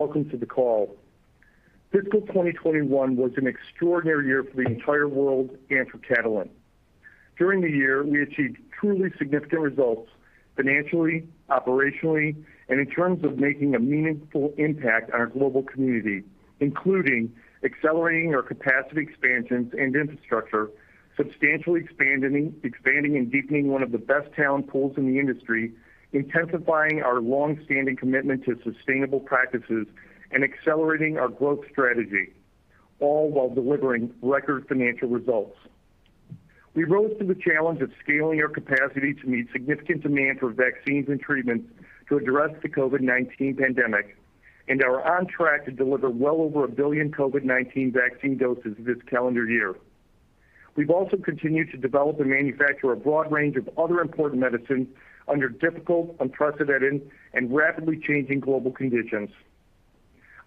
Welcome to the call. Fiscal 2021 was an extraordinary year for the entire world and for Catalent. During the year, we achieved truly significant results financially, operationally, and in terms of making a meaningful impact on our global community, including accelerating our capacity expansions and infrastructure, substantially expanding and deepening one of the best talent pools in the industry, intensifying our longstanding commitment to sustainable practices, and accelerating our growth strategy, all while delivering record financial results. We rose to the challenge of scaling our capacity to meet significant demand for vaccines and treatments to address the COVID-19 pandemic, and are on track to deliver well over 1 billion COVID-19 vaccine doses this calendar year. We've also continued to develop and manufacture a broad range of other important medicines under difficult, unprecedented, and rapidly changing global conditions.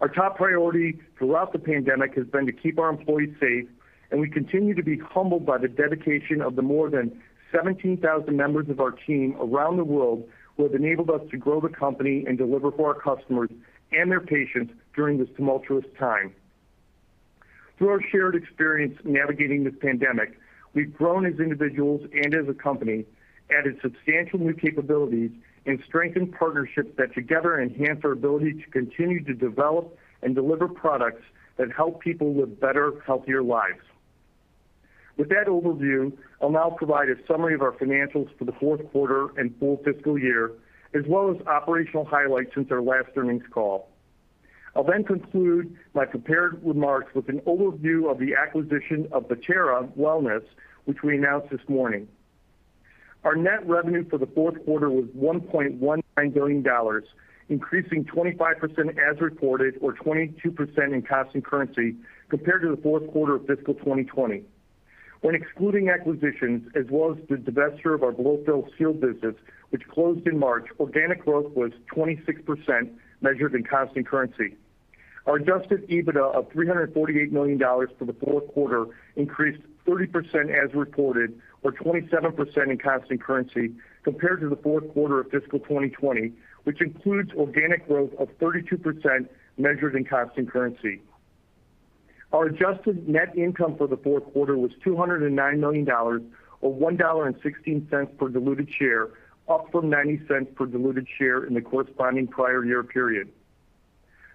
Our top priority throughout the pandemic has been to keep our employees safe, and we continue to be humbled by the dedication of the more than 17,000 members of our team around the world who have enabled us to grow the company and deliver for our customers and their patients during this tumultuous time. Through our shared experience navigating this pandemic, we've grown as individuals and as a company, added substantial new capabilities, and strengthened partnerships that together enhance our ability to continue to develop and deliver products that help people live better, healthier lives. With that overview, I'll now provide a summary of our financials for the fourth quarter and full fiscal year, as well as operational highlights since our last earnings call. I'll then conclude my prepared remarks with an overview of the acquisition of Bettera Wellness, which we announced this morning. Our net revenue for the fourth quarter was $1.19 billion, increasing 25% as reported, or 22% in constant currency compared to the fourth quarter of fiscal 2020. When excluding acquisitions as well as the divesture of our Blow-Fill-Seal business, which closed in March, organic growth was 26% measured in constant currency. Our adjusted EBITDA of $348 million for the fourth quarter increased 30% as reported, or 27% in constant currency compared to the fourth quarter of fiscal 2020, which includes organic growth of 32% measured in constant currency. Our adjusted net income for the fourth quarter was $209 million, or $1.16 per diluted share, up from $0.90 per diluted share in the corresponding prior year period.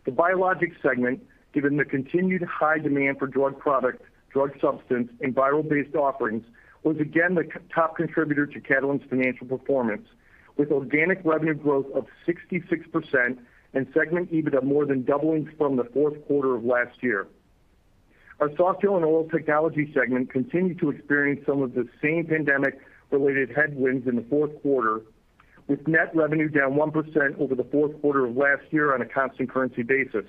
The Biologics segment, given the continued high demand for drug products, drug substance, and viral-based offerings, was again the top contributor to Catalent's financial performance, with organic revenue growth of 66% and segment EBITDA more than doubling from the fourth quarter of last year. Our Softgel and Oral Technologies segment continued to experience some of the same pandemic-related headwinds in the fourth quarter, with net revenue down 1% over the fourth quarter of last year on a constant currency basis.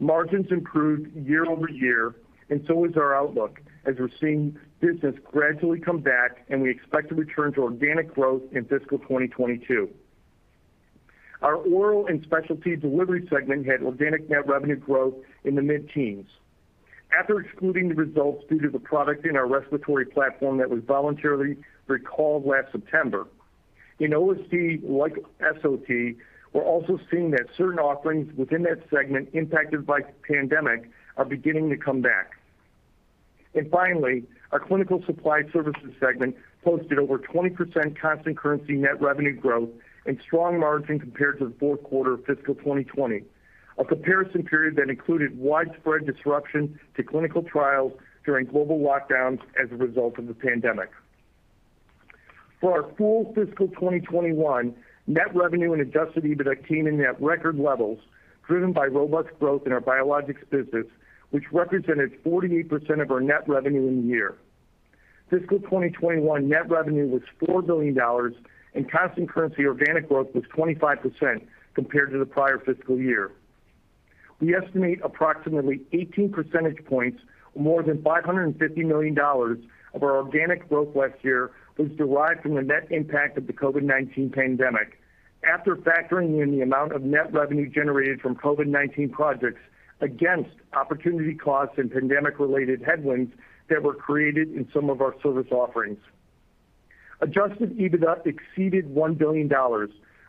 Margins improved year-over-year, and so is our outlook, as we're seeing business gradually come back and we expect to return to organic growth in fiscal 2022. Our Oral & Specialty Delivery segment had organic net revenue growth in the mid-teens after excluding the results due to the product in our respiratory platform that we voluntarily recalled last September. In OSD, like SOT, we're also seeing that certain offerings within that segment impacted by the pandemic are beginning to come back. Finally, our Clinical Supply Services segment posted over 20% constant currency net revenue growth and strong margin compared to the fourth quarter of fiscal 2020, a comparison period that included widespread disruption to clinical trials during global lockdowns as a result of the pandemic. For our full fiscal 2021, net revenue and adjusted EBITDA came in at record levels, driven by robust growth in our Biologics business, which represented 48% of our net revenue in the year. Fiscal 2021 net revenue was $4 billion and constant currency organic growth was 25% compared to the prior fiscal year. We estimate approximately 18 percentage points or more than $550 million of our organic growth last year was derived from the net impact of the COVID-19 pandemic, after factoring in the amount of net revenue generated from COVID-19 projects against opportunity costs and pandemic-related headwinds that were created in some of our service offerings. Adjusted EBITDA exceeded $1 billion,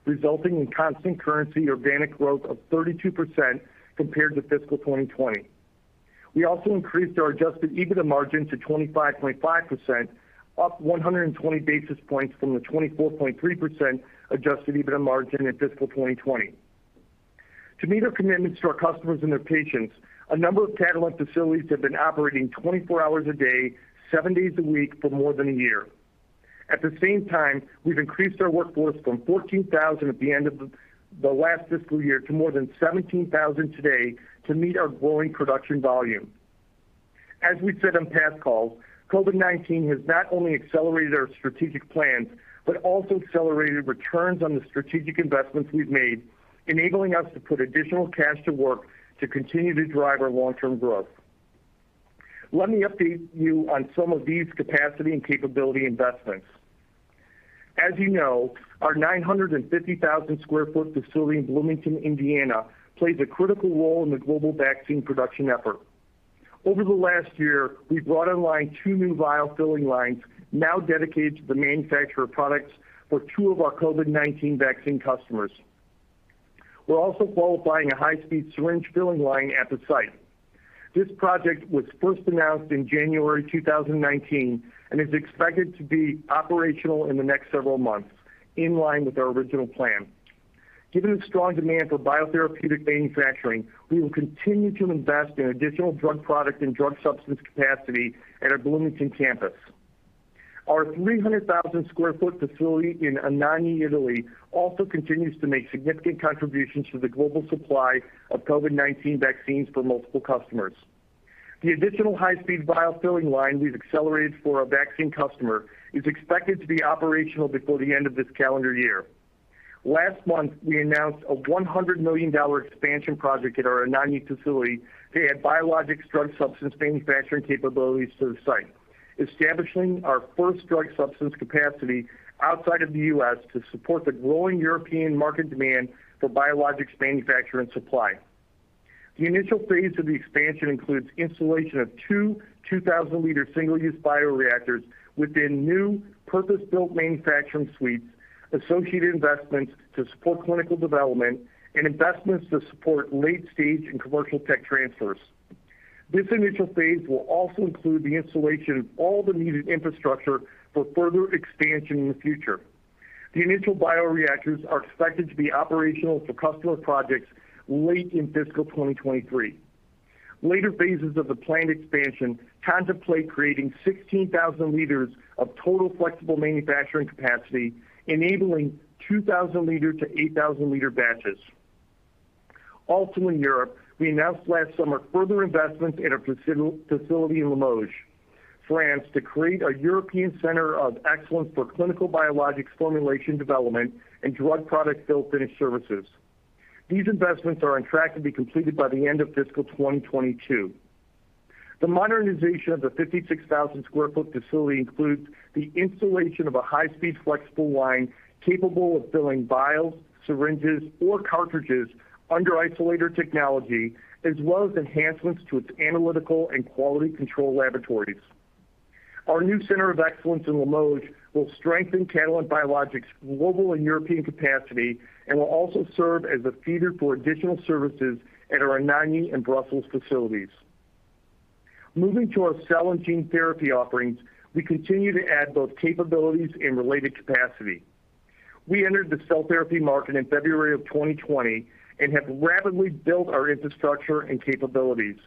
resulting in constant currency organic growth of 32% compared to fiscal 2020. We also increased our adjusted EBITDA margin to 25.5%, up 120 basis points from the 24.3% adjusted EBITDA margin in fiscal 2020. To meet our commitments to our customers and their patients, a number of Catalent facilities have been operating 24 hours a day, seven days a week for more than a year. At the same time, we've increased our workforce from 14,000 at the end of the last fiscal year to more than 17,000 today to meet our growing production volume. As we've said on past calls, COVID-19 has not only accelerated our strategic plans, but also accelerated returns on the strategic investments we've made, enabling us to put additional cash to work to continue to drive our long-term growth. Let me update you on some of these capacity and capability investments. As you know, our 950,000 sq ft facility in Bloomington, Indiana, plays a critical role in the global vaccine production effort. Over the last year, we've brought online two new vial filling lines now dedicated to the manufacture of products for two of our COVID-19 vaccine customers. We're also qualifying a high-speed syringe filling line at the site. This project was first announced in January 2019 and is expected to be operational in the next several months, in line with our original plan. Given the strong demand for biotherapeutic manufacturing, we will continue to invest in additional drug product and drug substance capacity at our Bloomington campus. Our 300,000 sq ft facility in Anagni, Italy, also continues to make significant contributions to the global supply of COVID-19 vaccines for multiple customers. The additional high-speed vial filling line we've accelerated for our vaccine customer is expected to be operational before the end of this calendar year. Last month, we announced a $100 million expansion project at our Anagni facility to add biologics drug substance manufacturing capabilities to the site, establishing our first drug substance capacity outside of the U.S. to support the growing European market demand for biologics manufacture and supply. The initial phase of the expansion includes installation of two 2,000-liter single-use bioreactors within new purpose-built manufacturing suites, associated investments to support clinical development, and investments to support late-stage and commercial tech transfers. This initial phase will also include the installation of all the needed infrastructure for further expansion in the future. The initial bioreactors are expected to be operational for customer projects late in fiscal 2023. Later phases of the planned expansion contemplate creating 16,000 liters of total flexible manufacturing capacity, enabling 2,000 liter to 8,000-liter batches. Also in Europe, we announced last summer further investments in a facility in Limoges, France, to create a European center of excellence for clinical Biologics formulation development and drug product fill finish services. These investments are on track to be completed by the end of fiscal 2022. The modernization of the 56,000 sq ft facility includes the installation of a high-speed flexible line capable of filling vials, syringes, or cartridges under isolator technology, as well as enhancements to its analytical and quality control laboratories. Our new center of excellence in Limoges will strengthen Catalent Biologics' global and European capacity and will also serve as a feeder for additional services at our Anagni and Brussels facilities. Moving to our cell and gene therapy offerings, we continue to add both capabilities and related capacity. We entered the cell therapy market in February 2020 and have rapidly built our infrastructure and capabilities.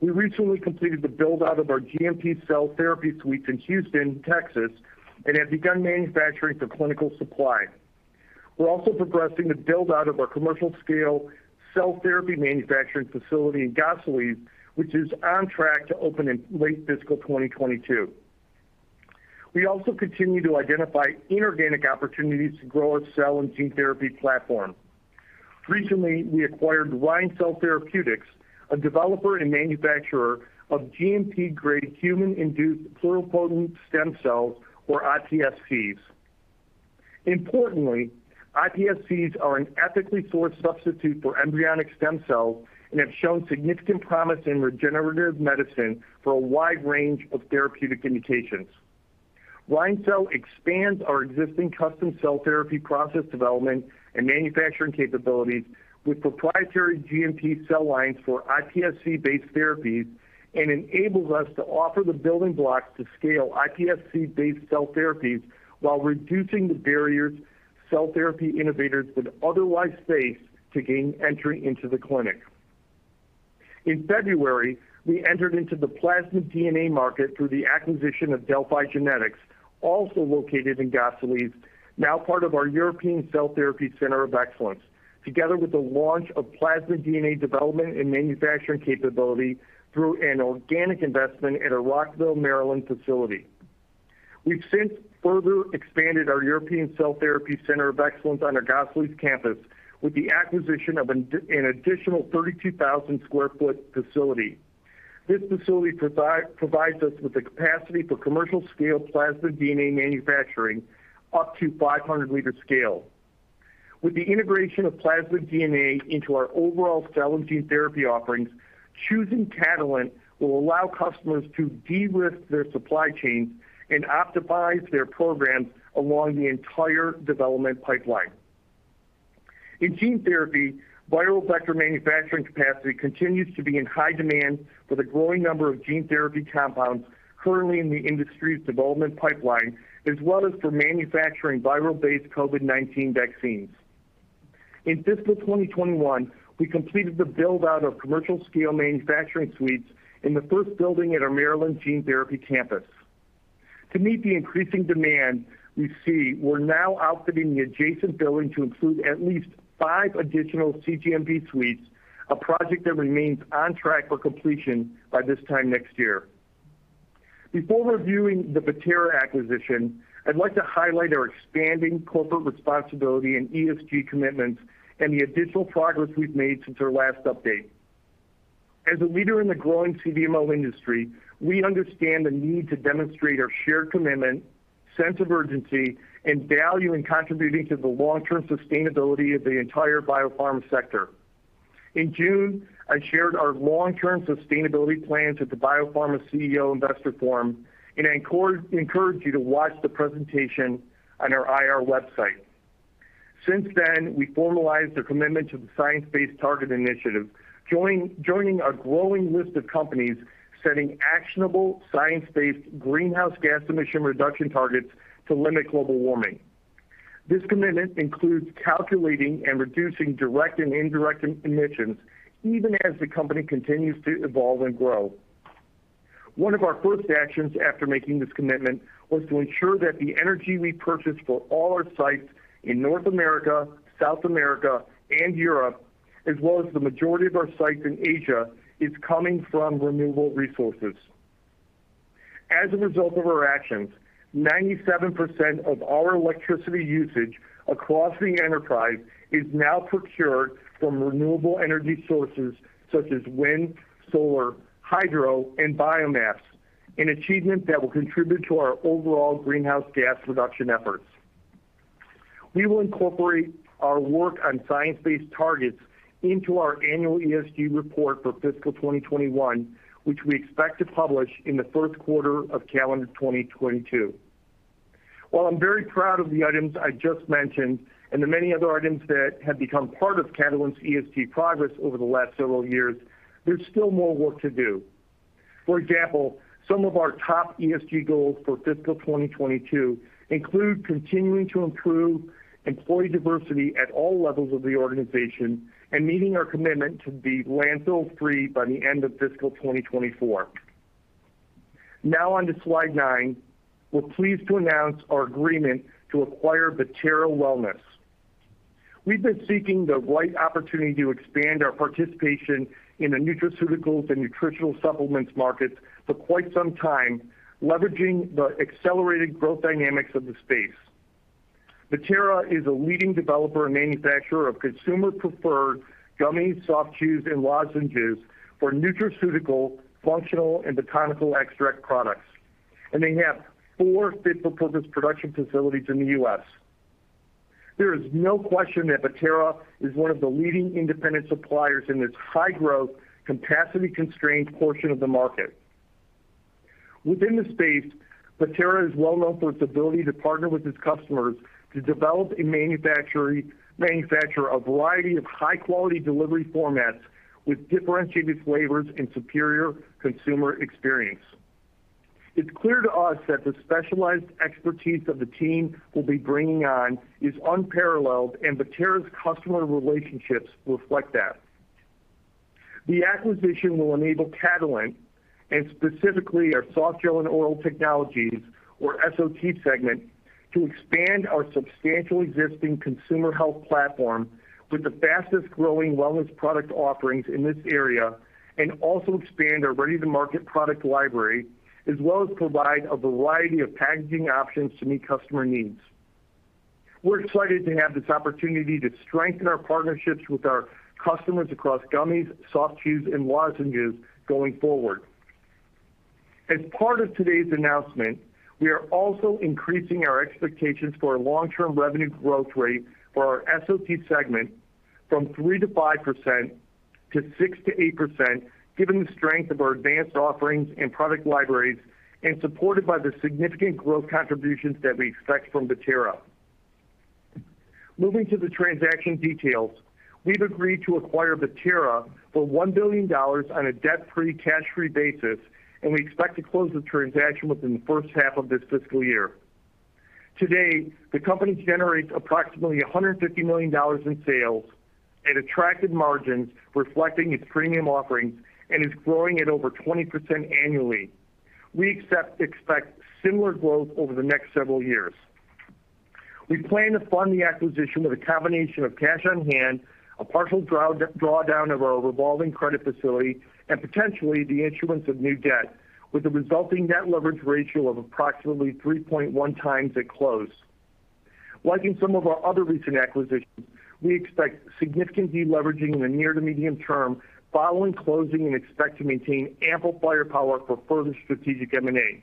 We recently completed the build-out of our GMP cell therapy suites in Houston, Texas, and have begun manufacturing for clinical supply. We're also progressing the build-out of our commercial-scale cell therapy manufacturing facility in Gosselies, which is on track to open in late fiscal 2022. We also continue to identify inorganic opportunities to grow our cell and gene therapy platform. Recently, we acquired RheinCell Therapeutics, a developer and manufacturer of GMP-grade human induced pluripotent stem cells or iPSCs. Importantly, iPSCs are an ethically sourced substitute for embryonic stem cells and have shown significant promise in regenerative medicine for a wide range of therapeutic indications. RheinCell expands our existing custom cell therapy process development and manufacturing capabilities with proprietary GMP cell lines for iPSC-based therapies and enables us to offer the building blocks to scale iPSC-based cell therapies while reducing the barriers cell therapy innovators would otherwise face to gain entry into the clinic. In February, we entered into the plasmid DNA market through the acquisition of Delphi Genetics, also located in Gosselies, now part of our European Cell Therapy Center of Excellence, together with the launch of plasmid DNA development and manufacturing capability through an organic investment at our Rockville, Maryland facility. We've since further expanded our European Cell Therapy Center of Excellence on our Gosselies campus with the acquisition of an additional 32,000 sq ft facility. This facility provides us with the capacity for commercial-scale plasmid DNA manufacturing up to 500-liter scale. With the integration of plasmid DNA into our overall cell and gene therapy offerings, choosing Catalent will allow customers to de-risk their supply chains and optimize their programs along the entire development pipeline. In gene therapy, viral vector manufacturing capacity continues to be in high demand with a growing number of gene therapy compounds currently in the industry's development pipeline, as well as for manufacturing viral-based COVID-19 vaccines. In fiscal 2021, we completed the build-out of commercial-scale manufacturing suites in the first building at our Maryland gene therapy campus. To meet the increasing demand we see, we're now outfitting the adjacent building to include at least 5 additional cGMP suites, a project that remains on track for completion by this time next year. Before reviewing the Bettera acquisition, I'd like to highlight our expanding corporate responsibility and ESG commitments and the additional progress we've made since our last update. As a leader in the growing CDMO industry, we understand the need to demonstrate our shared commitment sense of urgency, and value in contributing to the long-term sustainability of the entire biopharma sector. In June, I shared our long-term sustainability plans at the Biopharma CEO Investor Forum, and I encourage you to watch the presentation on our IR website. Since then, we formalized a commitment to the Science Based Targets initiative, joining a growing list of companies setting actionable science-based greenhouse gas emission reduction targets to limit global warming. This commitment includes calculating and reducing direct and indirect emissions, even as the company continues to evolve and grow. One of our first actions after making this commitment was to ensure that the energy we purchase for all our sites in North America, South America, and Europe, as well as the majority of our sites in Asia, is coming from renewable resources. As a result of our actions, 97% of all our electricity usage across the enterprise is now procured from renewable energy sources such as wind, solar, hydro, and biomass, an achievement that will contribute to our overall greenhouse gas reduction efforts. We will incorporate our work on Science Based Targets into our annual ESG report for fiscal 2021, which we expect to publish in the first quarter of calendar 2022. While I'm very proud of the items I just mentioned, and the many other items that have become part of Catalent's ESG progress over the last several years, there's still more work to do. For example, some of our top ESG goals for fiscal 2022 include continuing to improve employee diversity at all levels of the organization and meeting our commitment to be landfill-free by the end of fiscal 2024. Now on to slide nine. We're pleased to announce our agreement to acquire Bettera Wellness. We've been seeking the right opportunity to expand our participation in the nutraceuticals and nutritional supplements markets for quite some time, leveraging the accelerated growth dynamics of the space. Bettera is a leading developer and manufacturer of consumer-preferred gummies, soft chews, and lozenges for nutraceutical, functional, and botanical extract products. They have four state-of-the-art production facilities in the U.S. There is no question that Bettera is one of the leading independent suppliers in this high-growth, capacity-constrained portion of the market. Within the space, Bettera is well-known for its ability to partner with its customers to develop and manufacture a variety of high-quality delivery formats with differentiated flavors and superior consumer experience. It's clear to us that the specialized expertise of the team we'll be bringing on is unparalleled, and Bettera's customer relationships reflect that. The acquisition will enable Catalent, and specifically our Softgel and Oral Technologies, or SOT, segment, to expand our substantial existing consumer health platform with the fastest-growing wellness product offerings in this area and also expand our ready-to-market product library, as well as provide a variety of packaging options to meet customer needs. We're excited to have this opportunity to strengthen our partnerships with our customers across gummies, soft chews, and lozenges going forward. As part of today's announcement, we are also increasing our expectations for our long-term revenue growth rate for our SOT segment from 3%-5%, to 6%-8%, given the strength of our advanced offerings and product libraries and supported by the significant growth contributions that we expect from Bettera. Moving to the transaction details. We've agreed to acquire Bettera for $1 billion on a debt-free, cash-free basis, and we expect to close the transaction within the first half of this fiscal year. To date, the company generates approximately $150 million in sales at attractive margins, reflecting its premium offerings, and is growing at over 20% annually. We expect similar growth over the next several years. We plan to fund the acquisition with a combination of cash on hand, a partial drawdown of our revolving credit facility, and potentially the issuance of new debt, with a resulting net leverage ratio of approximately 3.1x at close. Like in some of our other recent acquisitions, we expect significant deleveraging in the near to medium term following closing and expect to maintain ample firepower for further strategic M&A.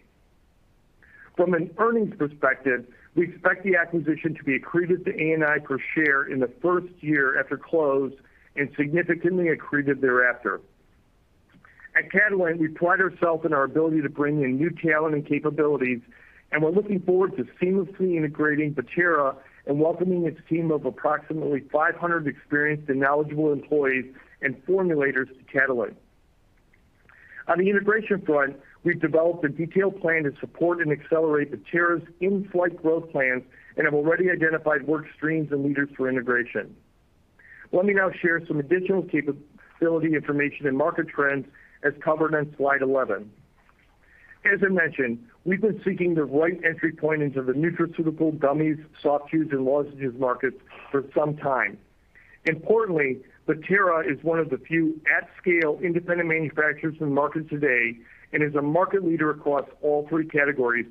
From an earnings perspective, we expect the acquisition to be accretive to ANI per share in the first year after close and significantly accretive thereafter. At Catalent, we pride ourselves on our ability to bring in new talent and capabilities, and we're looking forward to seamlessly integrating Bettera and welcoming its team of approximately 500 experienced and knowledgeable employees and formulators to Catalent. On the integration front, we've developed a detailed plan to support and accelerate Bettera's in-flight growth plans and have already identified work streams and leaders for integration. Let me now share some additional capability information and market trends as covered on slide 11. As I mentioned, we've been seeking the right entry point into the nutraceutical gummies, soft chews, and lozenges markets for some time. Importantly, Bettera is one of the few at-scale independent manufacturers in the market today and is a market leader across all three categories.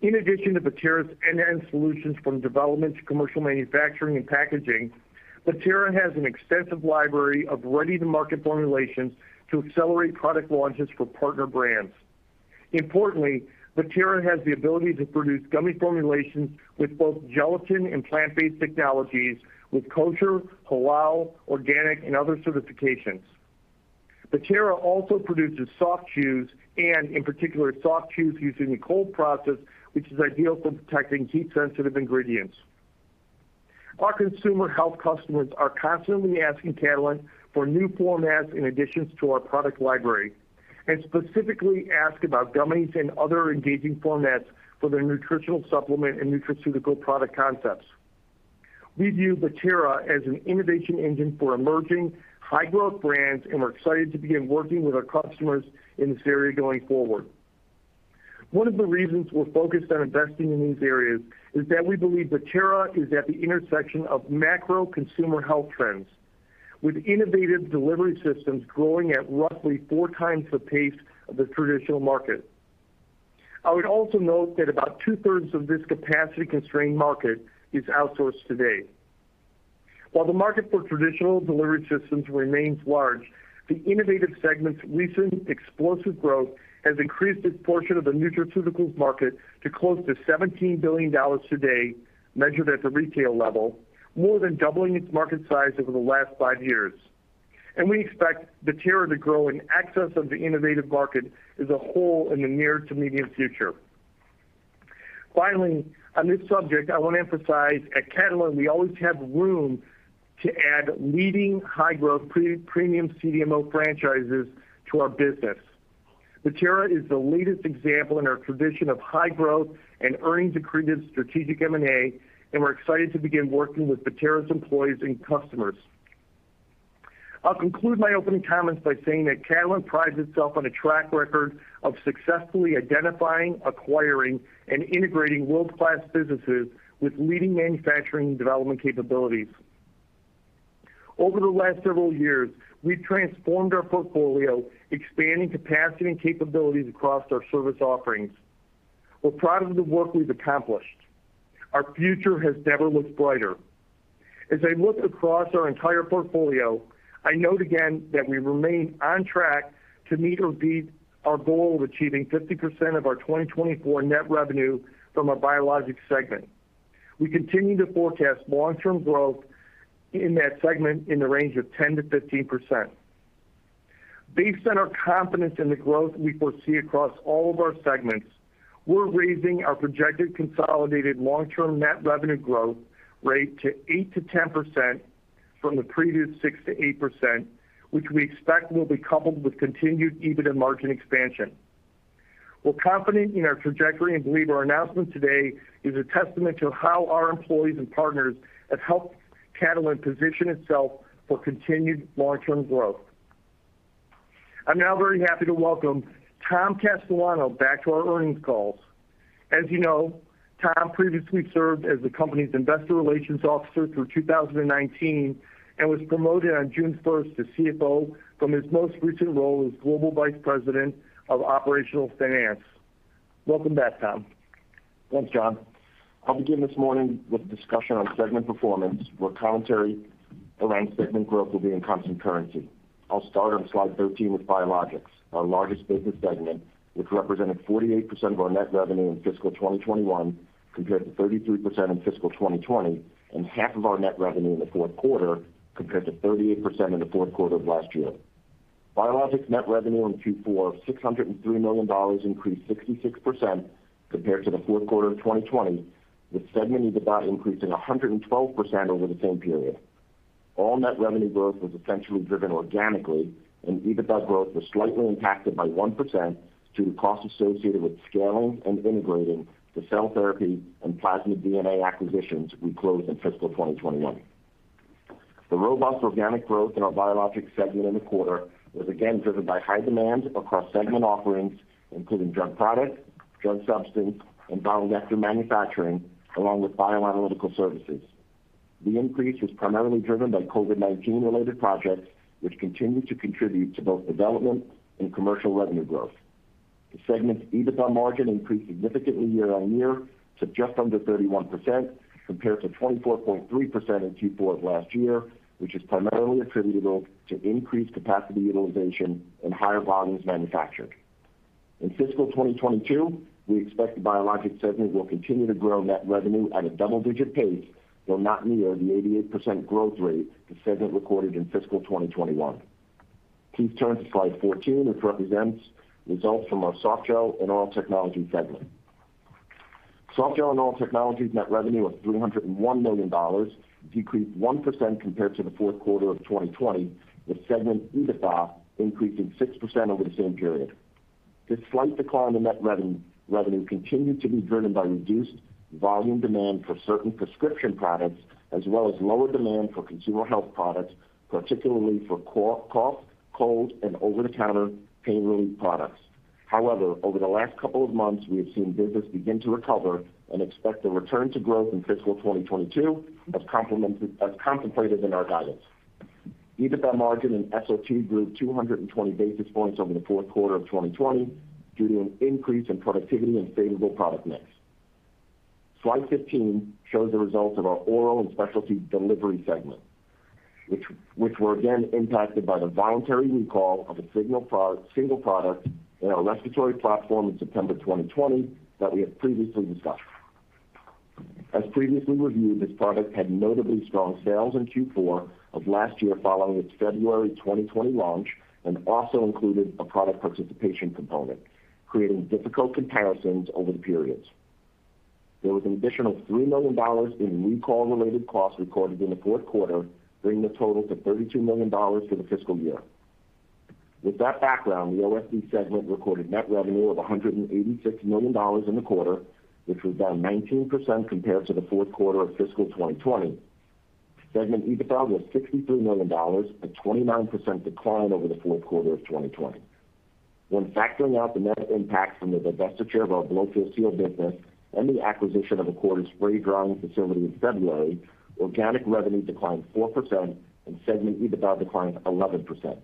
In addition to Bettera's end-to-end solutions from development to commercial manufacturing and packaging, Bettera has an extensive library of ready-to-market formulations to accelerate product launches for partner brands. Importantly, Bettera has the ability to produce gummy formulations with both gelatin and plant-based technologies with kosher, halal, organic, and other certifications. Bettera also produces soft chews and, in particular, soft chews using the cold process, which is ideal for protecting heat-sensitive ingredients. Our consumer health customers are constantly asking Catalent for new formats in addition to our product library, and specifically ask about gummies and other engaging formats for their nutritional supplement and nutraceutical product concepts. We view Bettera as an innovation engine for emerging high-growth brands, and we're excited to begin working with our customers in this area going forward. One of the reasons we're focused on investing in these areas is that we believe Bettera is at the intersection of macro consumer health trends, with innovative delivery systems growing at roughly four times the pace of the traditional market. I would also note that about 2/3 of this capacity-constrained market is outsourced today. While the market for traditional delivery systems remains large, the innovative segment's recent explosive growth has increased its portion of the nutraceuticals market to close to $17 billion today, measured at the retail level, more than doubling its market size over the last five years. We expect Bettera to grow in excess of the innovative market as a whole in the near to medium future. Finally, on this subject, I want to emphasize at Catalent, we always have room to add leading high-growth premium CDMO franchises to our business. Bettera is the latest example in our tradition of high growth and earnings accretive strategic M&A, and we're excited to begin working with Bettera's employees and customers. I'll conclude my opening comments by saying that Catalent prides itself on a track record of successfully identifying, acquiring, and integrating world-class businesses with leading manufacturing and development capabilities. Over the last several years, we've transformed our portfolio, expanding capacity and capabilities across our service offerings. We're proud of the work we've accomplished. Our future has never looked brighter. As I look across our entire portfolio, I note again that we remain on track to meet or beat our goal of achieving 50% of our 2024 net revenue from our Biologics segment. We continue to forecast long-term growth in that segment in the range of 10%-15%. Based on our confidence in the growth we foresee across all of our segments, we're raising our projected consolidated long-term net revenue growth rate to 8%-10% from the previous 6%-8%, which we expect will be coupled with continued EBITDA margin expansion. We're confident in our trajectory and believe our announcement today is a testament to how our employees and partners have helped Catalent position itself for continued long-term growth. I'm now very happy to welcome Tom Castellano back to our earnings calls. As you know, Tom previously served as the company's investor relations officer through 2019 and was promoted on June 1st to CFO from his most recent role as global Vice President of operational finance. Welcome back, Tom Thanks, John. I'll begin this morning with a discussion on segment performance, where commentary around segment growth will be in constant currency. I'll start on slide 13 with Biologics, our largest business segment, which represented 48% of our net revenue in fiscal 2021, compared to 33% in fiscal 2020, and half of our net revenue in the fourth quarter, compared to 38% in the fourth quarter of last year. Biologics net revenue in Q4 of $603 million increased 66% compared to the fourth quarter of 2020, with segment EBITDA increasing 112% over the same period. All net revenue growth was essentially driven organically, and EBITDA growth was slightly impacted by 1% due to costs associated with scaling and integrating the cell therapy and plasmid DNA acquisitions we closed in fiscal 2021. The robust organic growth in our Biologics segment in the quarter was again driven by high demand across segment offerings, including drug product, drug substance, and viral vector manufacturing, along with bioanalytical services. The increase was primarily driven by COVID-19-related projects, which continued to contribute to both development and commercial revenue growth. The segment's EBITDA margin increased significantly year-on-year to just under 31%, compared to 24.3% in Q4 of last year, which is primarily attributable to increased capacity utilization and higher volumes manufactured. In fiscal 2022, we expect the Biologics segment will continue to grow net revenue at a double-digit pace, though not near the 88% growth rate the segment recorded in fiscal 2021. Please turn to slide 14, which represents results from our Softgel and Oral Technologies segment. Softgel and Oral Technologies net revenue of $301 million decreased 1% compared to the fourth quarter of 2020, with segment EBITDA increasing 6% over the same period. This slight decline in the net revenue continued to be driven by reduced volume demand for certain prescription products, as well as lower demand for consumer health products, particularly for cough, cold, and over-the-counter pain relief products. However, over the last couple of months, we have seen business begin to recover and expect a return to growth in fiscal 2022 as contemplated in our guidance. EBITDA margin and SOT grew 220 basis points over the fourth quarter of 2020 due to an increase in productivity and favorable product mix. Slide 15 shows the results of our Oral & Specialty Delivery segment, which were again impacted by the voluntary recall of a single product in our respiratory platform in September 2020 that we have previously discussed. As previously reviewed, this product had notably strong sales in Q4 of last year following its February 2020 launch, and also included a product participation component, creating difficult comparisons over the periods. There was an additional $3 million in recall-related costs recorded in the fourth quarter, bringing the total to $32 million for the fiscal year. With that background, the OSD segment recorded net revenue of $186 million in the quarter, which was down 19% compared to the fourth quarter of fiscal 2020. Segment EBITDA was $63 million, a 29% decline over the fourth quarter of 2020. When factoring out the net impact from the divestiture of our Blow-Fill-Seal business and the acquisition of Acorda Therapeutics' spray drying facility in February, organic revenue declined 4% and segment EBITDA declined 11%.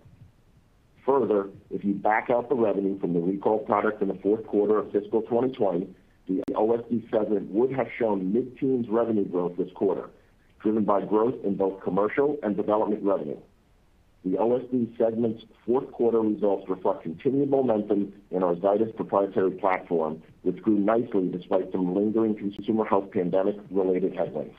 Further, if you back out the revenue from the recalled product in the fourth quarter of fiscal 2020, the OSD segment would have shown mid-teens revenue growth this quarter, driven by growth in both commercial and development revenue. The OSD segment's fourth quarter results reflect continued momentum in our Zydis proprietary platform, which grew nicely despite some lingering consumer health pandemic-related headwinds.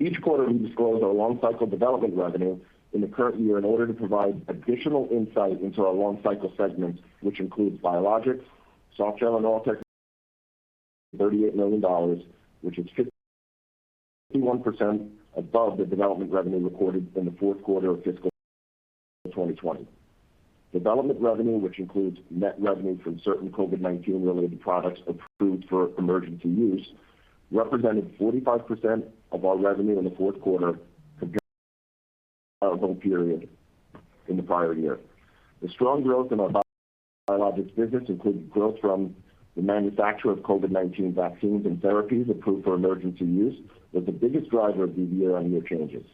Each quarter, we disclose our long-cycle development revenue in the current year in order to provide additional insight into our long-cycle segment, which includes Biologics, Softgel and Oral Technologies $38 million, which is 51% above the development revenue recorded in the fourth quarter of fiscal 2020. Development revenue, which includes net revenue from certain COVID-19 related products approved for emergency use, represented 45% of our revenue in the fourth quarter compared period in the prior year. The strong growth in our Biologics business, including growth from the manufacture of COVID-19 vaccines and therapies approved for emergency use, was the biggest driver of the year-on-year changes.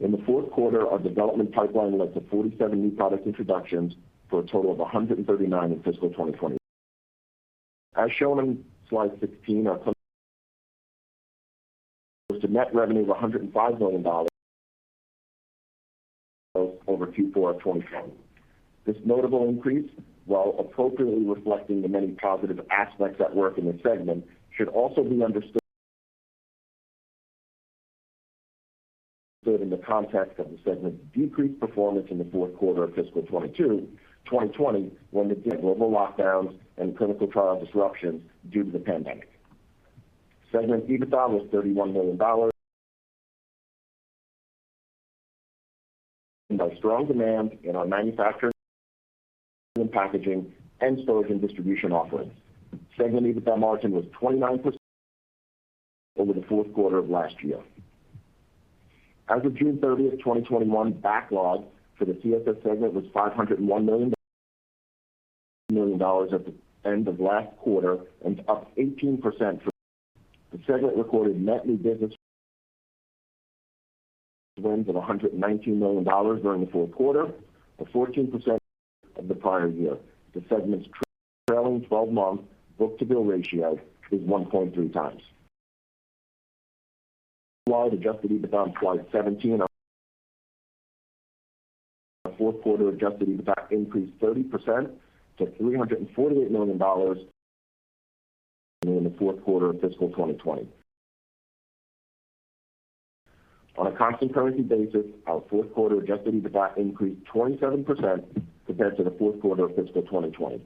In the fourth quarter, our development pipeline led to 47 new product introductions, for a total of 139 in fiscal 2020. As shown on slide 16, our net revenue of $105 million over Q4 of 2020. This notable increase, while appropriately reflecting the many positive aspects at work in the segment, should also be understood in the context of the segment's decreased performance in the fourth quarter of fiscal 2020 when the global lockdowns and clinical trial disruptions due to the pandemic. Segment EBITDA was $31 million by strong demand in our manufacturing and packaging and storage and distribution offerings. Segment EBITDA margin was 29% over the fourth quarter of last year. As of June 30th, 2021, backlog for the CSS segment was $501 million at the end of last quarter, and up 18%. The segment recorded net new business wins of $119 million during the fourth quarter, a 14% of the prior year. The segment's trailing 12-month book-to-bill ratio is 1.3x. slide, adjusted EBITDA on slide 17. Our fourth quarter adjusted EBITDA increased 30% to $348 million in the fourth quarter of fiscal 2020. On a constant currency basis, our fourth quarter adjusted EBITDA increased 27% compared to the fourth quarter of fiscal 2020.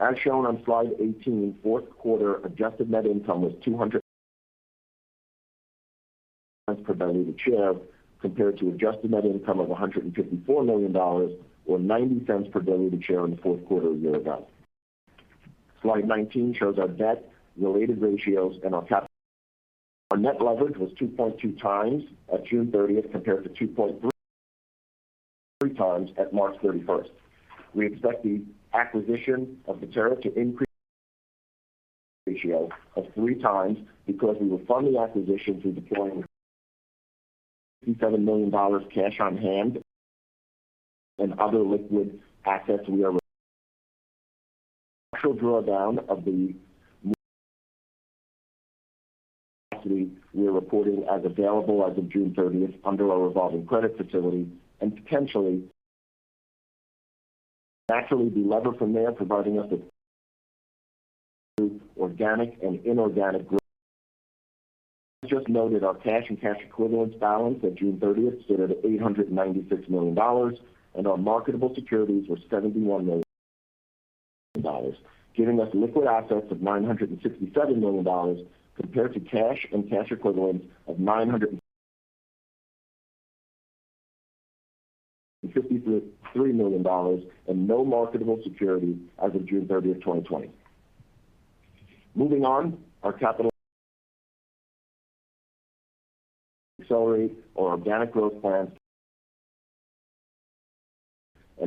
As shown on slide 18, fourth quarter adjusted net income was $2.00 per diluted share, compared to adjusted net income of $154 million, or $0.90 per diluted share in the fourth quarter a year ago. Slide 19 shows our debt-related ratios and our capital. Our net leverage was 2.2x at June 30th compared to 2.3x at March 31st. We expect the acquisition of Bettera to increase ratio of 3x because we will fund the acquisition through deploying $57 million cash on hand and other liquid assets we are reporting as available as of June 30th under our revolving credit facility and potentially naturally delever from there, providing us with organic and inorganic growth. As just noted, our cash and cash equivalents balance at June 30th stood at $896 million, and our marketable securities were $71 million, giving us liquid assets of $967 million compared to cash and cash equivalents of $953 million and no marketable security as of June 30th, 2020. Moving on, our capital accelerate our organic growth plans.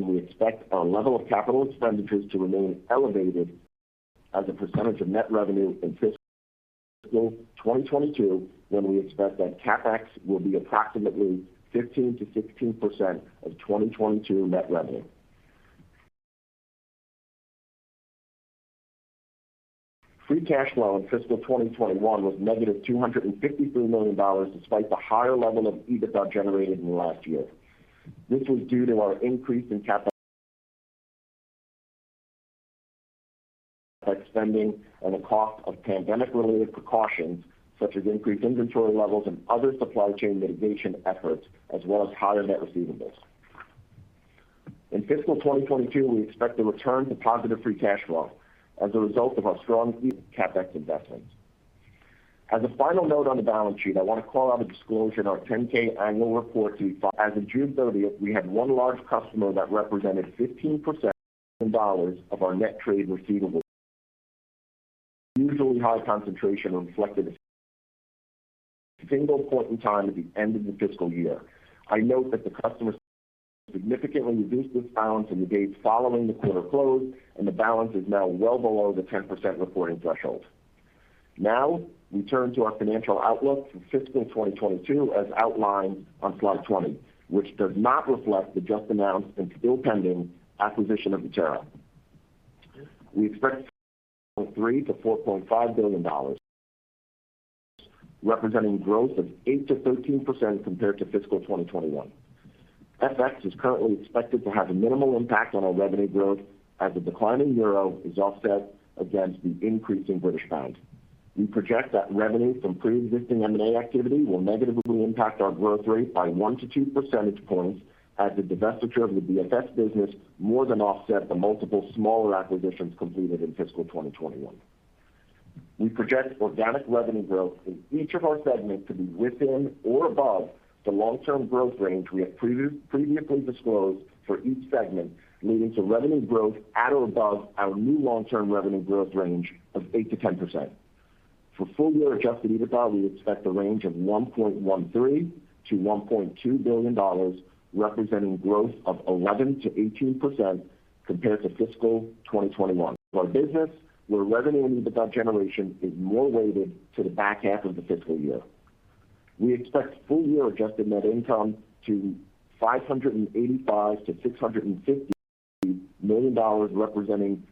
We expect our level of capital expenditures to remain elevated as a percentage of net revenue in fiscal 2022, when we expect that CapEx will be approximately 15%-16% of 2022 net revenue. Free cash flow in fiscal 2021 was negative $253 million, despite the higher level of EBITDA generated in the last year. This was due to our increase in capital spending and the cost of pandemic-related precautions, such as increased inventory levels and other supply chain mitigation efforts, as well as higher net receivables. In fiscal 2022, we expect to return to positive free cash flow as a result of our strong CapEx investments. As a final note on the balance sheet, I want to call out a disclosure in our 10-K annual report we filed. As of June 30th, we had one large customer that represented 15% of our net trade receivables. Usually, high concentration reflected a single point in time at the end of the fiscal year. I note that the customer significantly reduced this balance in the days following the quarter close, and the balance is now well below the 10% reporting threshold. Now, we turn to our financial outlook for fiscal 2022 as outlined on slide 20, which does not reflect the just-announced and still pending acquisition of Bettera. We expect $4.3 billion-$4.5 billion, representing growth of 8%-13% compared to fiscal 2021. FX is currently expected to have a minimal impact on our revenue growth as the declining euro is offset against the increase in British pound. We project that revenue from preexisting M&A activity will negatively impact our growth rate by 1 to 2 percentage points as the divestiture of the BFS business more than offset the multiple smaller acquisitions completed in fiscal 2021. We project organic revenue growth in each of our segments to be within or above the long-term growth range we have previously disclosed for each segment, leading to revenue growth at or above our new long-term revenue growth range of 8%-10%. For full-year adjusted EBITDA, we expect a range of $1.13 billion-$1.2 billion, representing growth of 11%-18% compared to fiscal 2021. Our business, where revenue and EBITDA generation is more weighted to the back half of the fiscal year. We expect full-year adjusted net income to $585 million-$650 million, representing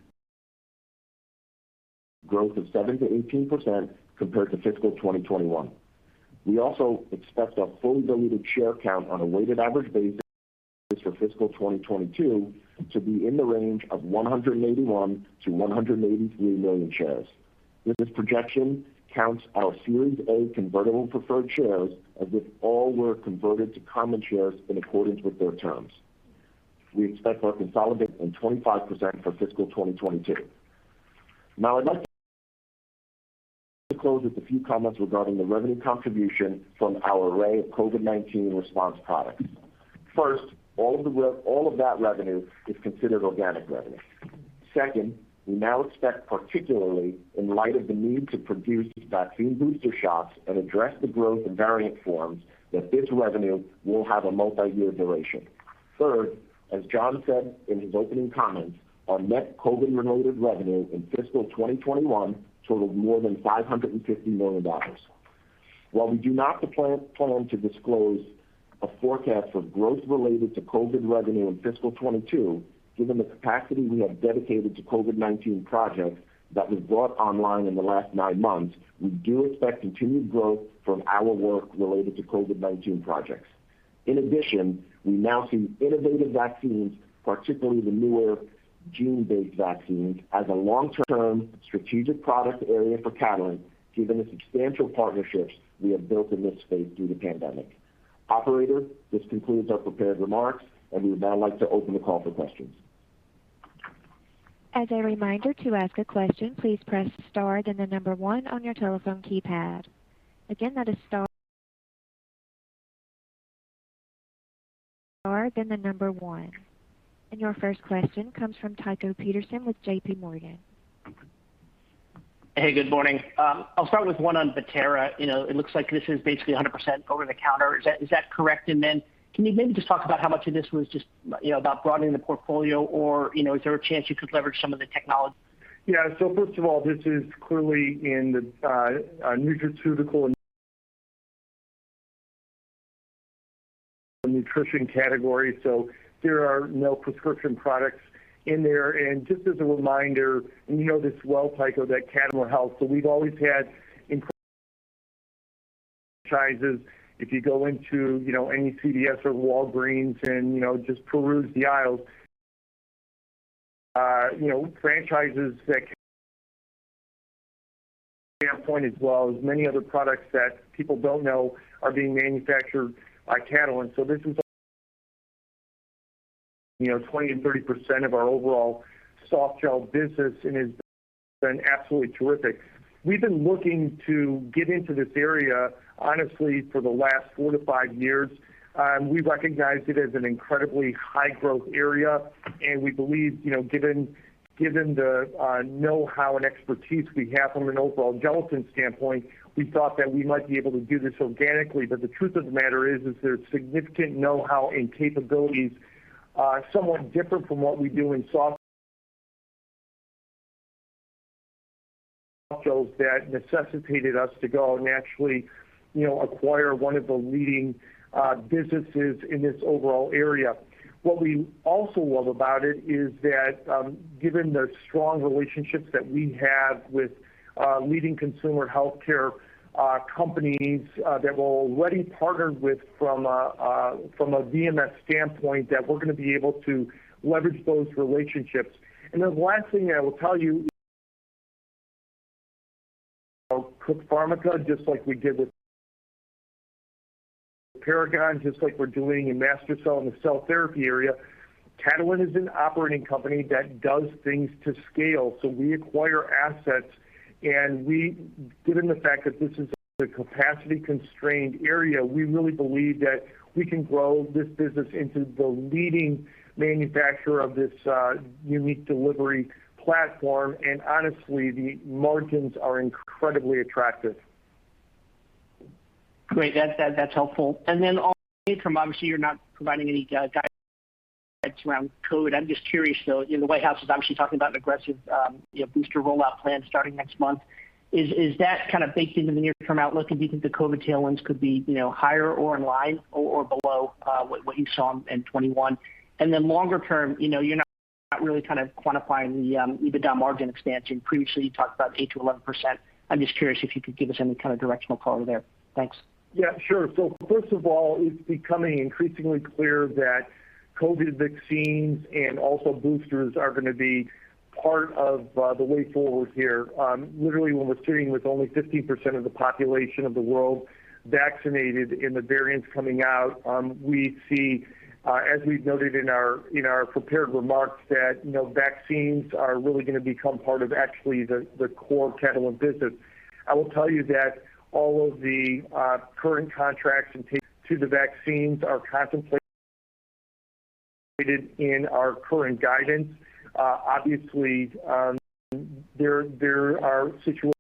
growth of 7%-18% compared to fiscal 2021. We also expect our fully diluted share count on a weighted average basis for fiscal 2022 to be in the range of 181 million-183 million shares. This projection counts our Series A convertible preferred shares as if all were converted to common shares in accordance with their terms. We expect our consolidated and 25% for fiscal 2022. Now I'd like to close with a few comments regarding the revenue contribution from our array of COVID-19 response products. First, all of that revenue is considered organic revenue. Second, we now expect, particularly in light of the need to produce vaccine booster shots and address the growth in variant forms, that this revenue will have a multiyear duration. Third, as John said in his opening comments, our net COVID-related revenue in fiscal 2021 totaled more than $550 million. While we do not plan to disclose a forecast for growth related to COVID revenue in fiscal 2022, given the capacity we have dedicated to COVID-19 projects that was brought online in the last 9 months, we do expect continued growth from our work related to COVID-19 projects. In addition, we now see innovative vaccines, particularly the newer gene-based vaccines, as a long-term strategic product area for Catalent, given the substantial partnerships we have built in this space through the pandemic. Operator, this concludes our prepared remarks. We would now like to open the call for questions. As a reminder, to ask a question, please press star, then the number one on your telephone keypad. Again, that is star, then the number one. Your first question comes from Tycho Peterson with JPMorgan. Hey, good morning. I'll start with one on Bettera. It looks like this is basically 100% over-the-counter. Is that correct? Can you maybe just talk about how much of this was just about broadening the portfolio or is there a chance you could leverage some of the technology? This is clearly in the nutraceutical and nutrition category, there are no prescription products in there. Just as a reminder, you know this well, Tycho, that Catalent Health, we've always had important franchises. If you go into any CVS or Walgreens and just peruse the aisles, as well as many other products that people don't know are being manufactured by Catalent. This is 20% and 30% of our overall Softgel business and has been absolutely terrific. We've been looking to get into this area, honestly, for the last four to five years. We recognized it as an incredibly high-growth area We believe, given the know-how and expertise we have from an overall gelatin standpoint, we thought that we might be able to do this organically. The truth of the matter is, there's significant know-how and capabilities somewhat different from what we do in Soft that necessitated us to go and actually acquire one of the leading businesses in this overall area. What we also love about it is that given the strong relationships that we have with leading consumer healthcare companies that we're already partnered with from a VMS standpoint, that we're going to be able to leverage those relationships. The last thing I will tell you, Cook Pharmica, just like we did with Paragon, just like we're doing in MaSTherCell in the cell therapy area. Catalent is an operating company that does things to scale. We acquire assets and given the fact that this is a capacity-constrained area, we really believe that we can grow this business into the leading manufacturer of this unique delivery platform. Honestly, the margins are incredibly attractive. Great. That's helpful. On the near-term, obviously, you're not providing any guidance around COVID. I'm just curious, though. The White House is actually talking about an aggressive booster rollout plan starting next month. Is that kind of baked into the near-term outlook? Do you think the COVID tailwinds could be higher or in line or below, what you saw in 2021? Longer term, you're not really kind of quantifying the EBITDA margin expansion. Previously, you talked about 8%-11%. I'm just curious if you could give us any kind of directional color there. Thanks. Yeah, sure. First of all, it's becoming increasingly clear that COVID vaccines and also boosters are going to be part of the way forward here. Literally, when we're sitting with only 15% of the population of the world vaccinated and the variants coming out we see as we've noted in our prepared remarks that vaccines are really going to become part of actually the core Catalent business. I will tell you that all of the current contracts and to the vaccines are contemplated in our current guidance. Obviously there are situations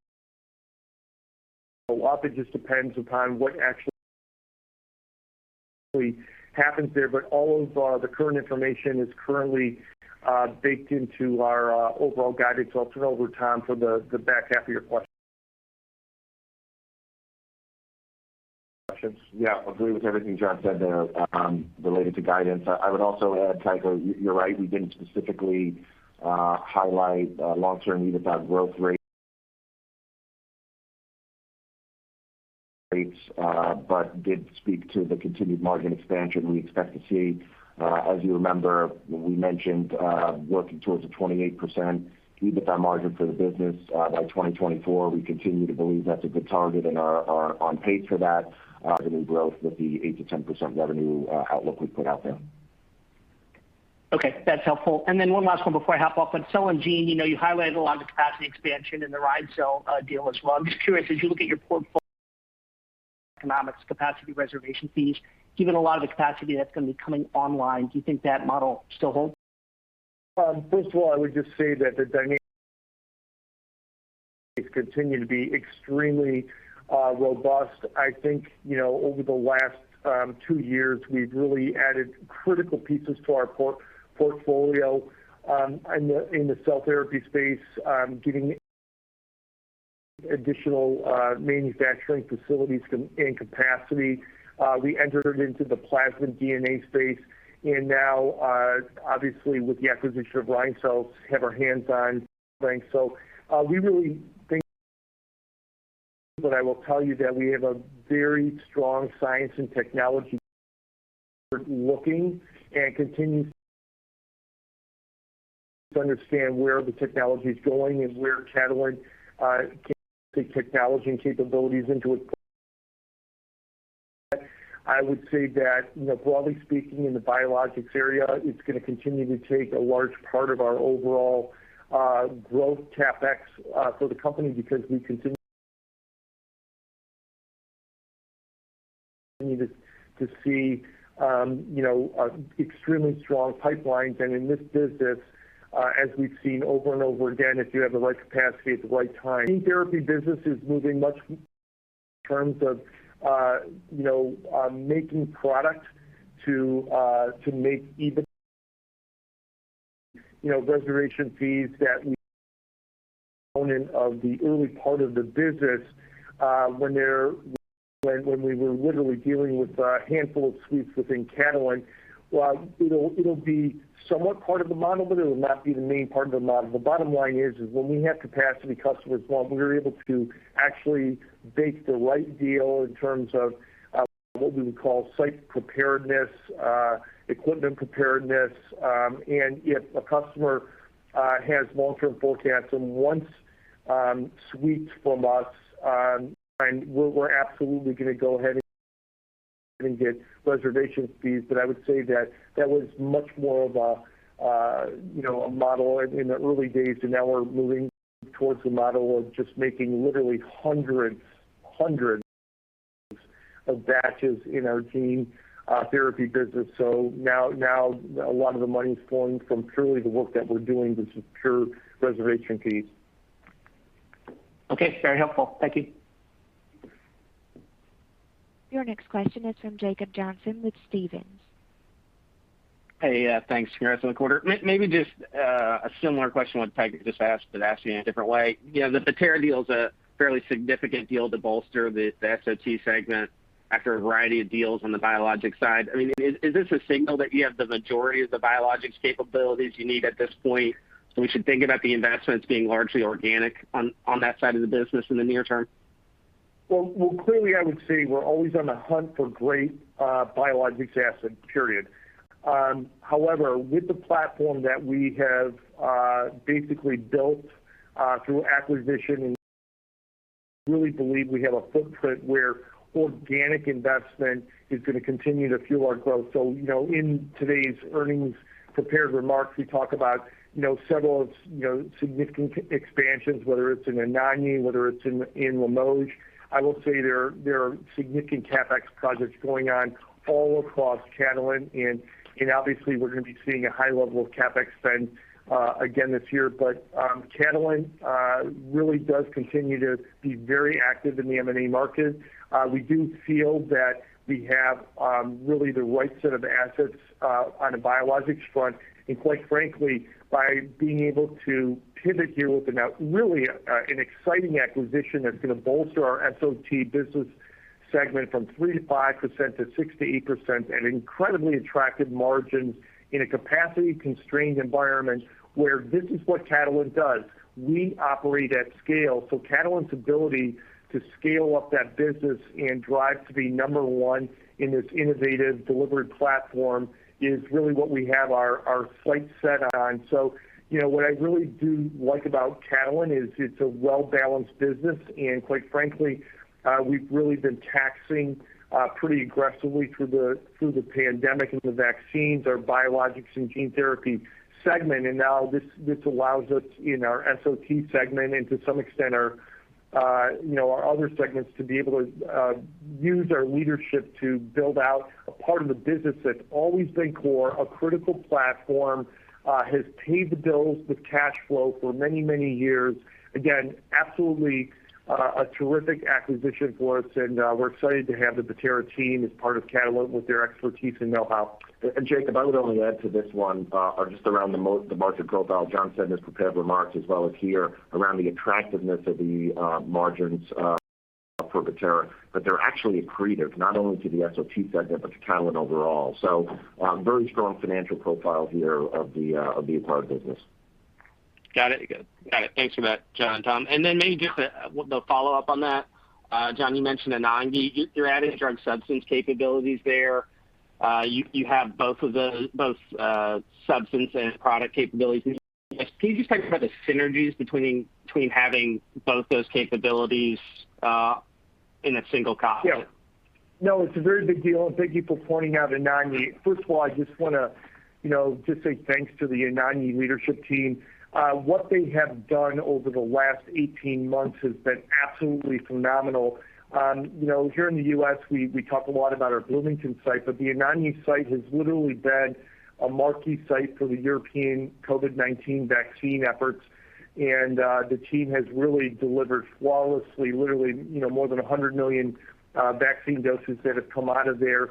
a lot that just depends upon what actually happens there. All of the current information is currently baked into our overall guidance. I'll turn it over, Tom, for the back half of your question. Yeah, agree with everything John said there related to guidance. I would also add, Tycho, you're right. We didn't specifically highlight long-term EBITDA growth rates but did speak to the continued margin expansion we expect to see. As you remember, we mentioned working towards a 28% EBITDA margin for the business by 2024. We continue to believe that's a good target and are on pace for that, in growth with the 8%-10% revenue outlook we put out there. Okay. That's helpful. One last one before I hop off. Gene, you highlighted a lot of the capacity expansion in the RheinCell deal as well. I'm just curious, as you look at your portfolio economics capacity reservation fees, given a lot of the capacity that's going to be coming online, do you think that model still holds? First of all, I would just say that the dynamics continue to be extremely robust. I think over the last two years, we've really added critical pieces to our portfolio in the cell therapy space getting additional manufacturing facilities and capacity. We entered into the plasmid DNA space and now obviously with the acquisition of RheinCell. We really think but I will tell you that we have a very strong science and technology looking and continue to understand where the technology's going and where Catalent can take technology and capabilities. I would say that broadly speaking in the Biologics area, it's going to continue to take a large part of our overall growth CapEx for the company because we continue to see extremely strong pipelines. In this business as we've seen over and over again, if you have the right capacity at the right time. Gene therapy business is moving much in terms of making product to make even reservation fees that component of the early part of the business when we were literally dealing with a handful of suites within Catalent. It'll be somewhat part of the model, but it will not be the main part of the model. The bottom line is when we have capacity, customers want, we're able to actually bake the right deal in terms of what we would call site preparedness, equipment preparedness. If a customer has long-term forecasts and wants suites from us and we're absolutely going to go ahead and get reservation fees. I would say that was much more of a model in the early days, and now we're moving towards a model of just making literally hundreds of batches in our gene therapy business. Now a lot of the money is flowing from purely the work that we're doing. This is pure reservation fees. Okay, very helpful. Thank you. Your next question is from Jacob Johnson with Stephens. Hey, thanks. Congrats on the quarter. Maybe just a similar question what Peg just asked, but asked in a different way. The Bettera deal is a fairly significant deal to bolster the SOT segment after a variety of deals on the Biologics side. Is this a signal that you have the majority of the Biologics capabilities you need at this point, so we should think about the investments being largely organic on that side of the business in the near term? Well, clearly, I would say we're always on the hunt for great Biologics assets, period. With the platform that we have basically built through acquisition, we really believe we have a footprint where organic investment is going to continue to fuel our growth. In today's earnings prepared remarks, we talk about several significant expansions, whether it's in Anagni, whether it's in Limoges. I will say there are significant CapEx projects going on all across Catalent, and obviously, we're going to be seeing a high level of CapEx spend again this year. Catalent really does continue to be very active in the M&A market. We do feel that we have really the right set of assets on the Biologics front. Quite frankly, by being able to pivot here with really an exciting acquisition that's going to bolster our SOT business segment from 3% to 5% to 6% to 8%, and incredibly attractive margins in a capacity-constrained environment where this is what Catalent does. We operate at scale. Catalent's ability to scale up that business and drive to be number one in this innovative delivery platform is really what we have our sights set on. What I really do like about Catalent is it's a well-balanced business. Quite frankly, we've really been taxing pretty aggressively through the pandemic and the vaccines, our Biologics and gene therapy segment. Now this allows us in our SOT segment and to some extent our other segments to be able to use our leadership to build out a part of the business that's always been core, a critical platform has paid the bills with cash flow for many, many years. Again, absolutely a terrific acquisition for us, and we're excited to have the Bettera team as part of Catalent with their expertise and know-how. Jacob, I would only add to this one just around the margin profile John said in his prepared remarks as well as here around the attractiveness of the margins for Bettera. They're actually accretive, not only to the SOT segment, but to Catalent overall. Very strong financial profile here of the acquired business. Got it. Good. Got it. Thanks for that, John and Tom. Then maybe just the follow-up on that. John, you mentioned Anagni. You're adding drug substance capabilities there. You have both substance and product capabilities. Can you just talk about the synergies between having both those capabilities in a single campus? Yeah. No, it's a very big deal. Thank you for pointing out Anagni. First of all, I just want to say thanks to the Anagni leadership team. What they have done over the last 18 months has been absolutely phenomenal. Here in the U.S., we talk a lot about our Bloomington site, the Anagni site has literally been a marquee site for the European COVID-19 vaccine efforts. The team has really delivered flawlessly, literally more than 100 million vaccine doses that have come out of there.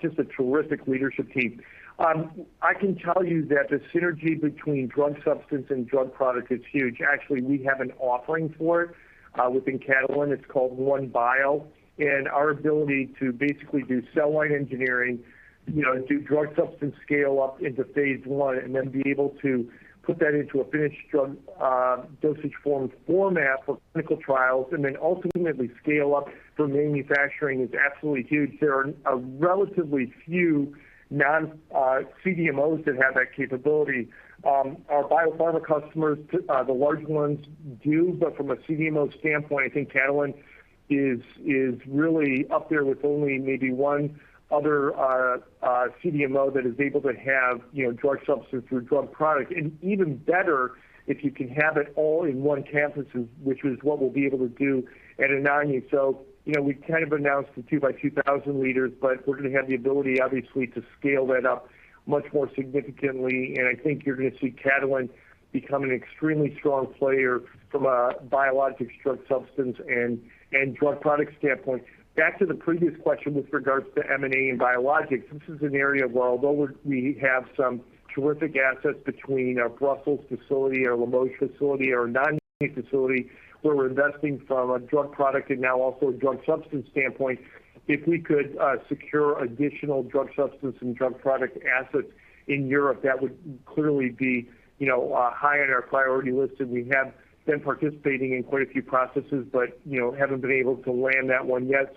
Just a terrific leadership team. I can tell you that the synergy between drug substance and drug product is huge. Actually, we have an offering for it within Catalent. It's called OneBio. Our ability to basically do cell line engineering, do drug substance scale-up into phase I, and then be able to put that into a finished drug dosage form format for clinical trials, and then ultimately scale up for manufacturing is absolutely huge. There are relatively few non-CDMOs that have that capability. Our biopharma customers, the large ones do. From a CDMO standpoint, I think Catalent is really up there with only maybe one other CDMO that is able to have drug substance or drug product. Even better if you can have it all in one campus, which is what we'll be able to do at Anagni. We've kind of announced the 2 by 2,000 L, but we're going to have the ability, obviously, to scale that up much more significantly. I think you're going to see Catalent become an extremely strong player from a biologics drug substance and drug product standpoint. Back to the previous question with regards to M&A and biologics. This is an area where although we have some terrific assets between our Brussels facility, our Limoges facility, our Anagni facility, where we're investing from a drug product and now also a drug substance standpoint. If we could secure additional drug substance and drug product assets in Europe, that would clearly be high on our priority list. We have been participating in quite a few processes, but haven't been able to land that one yet.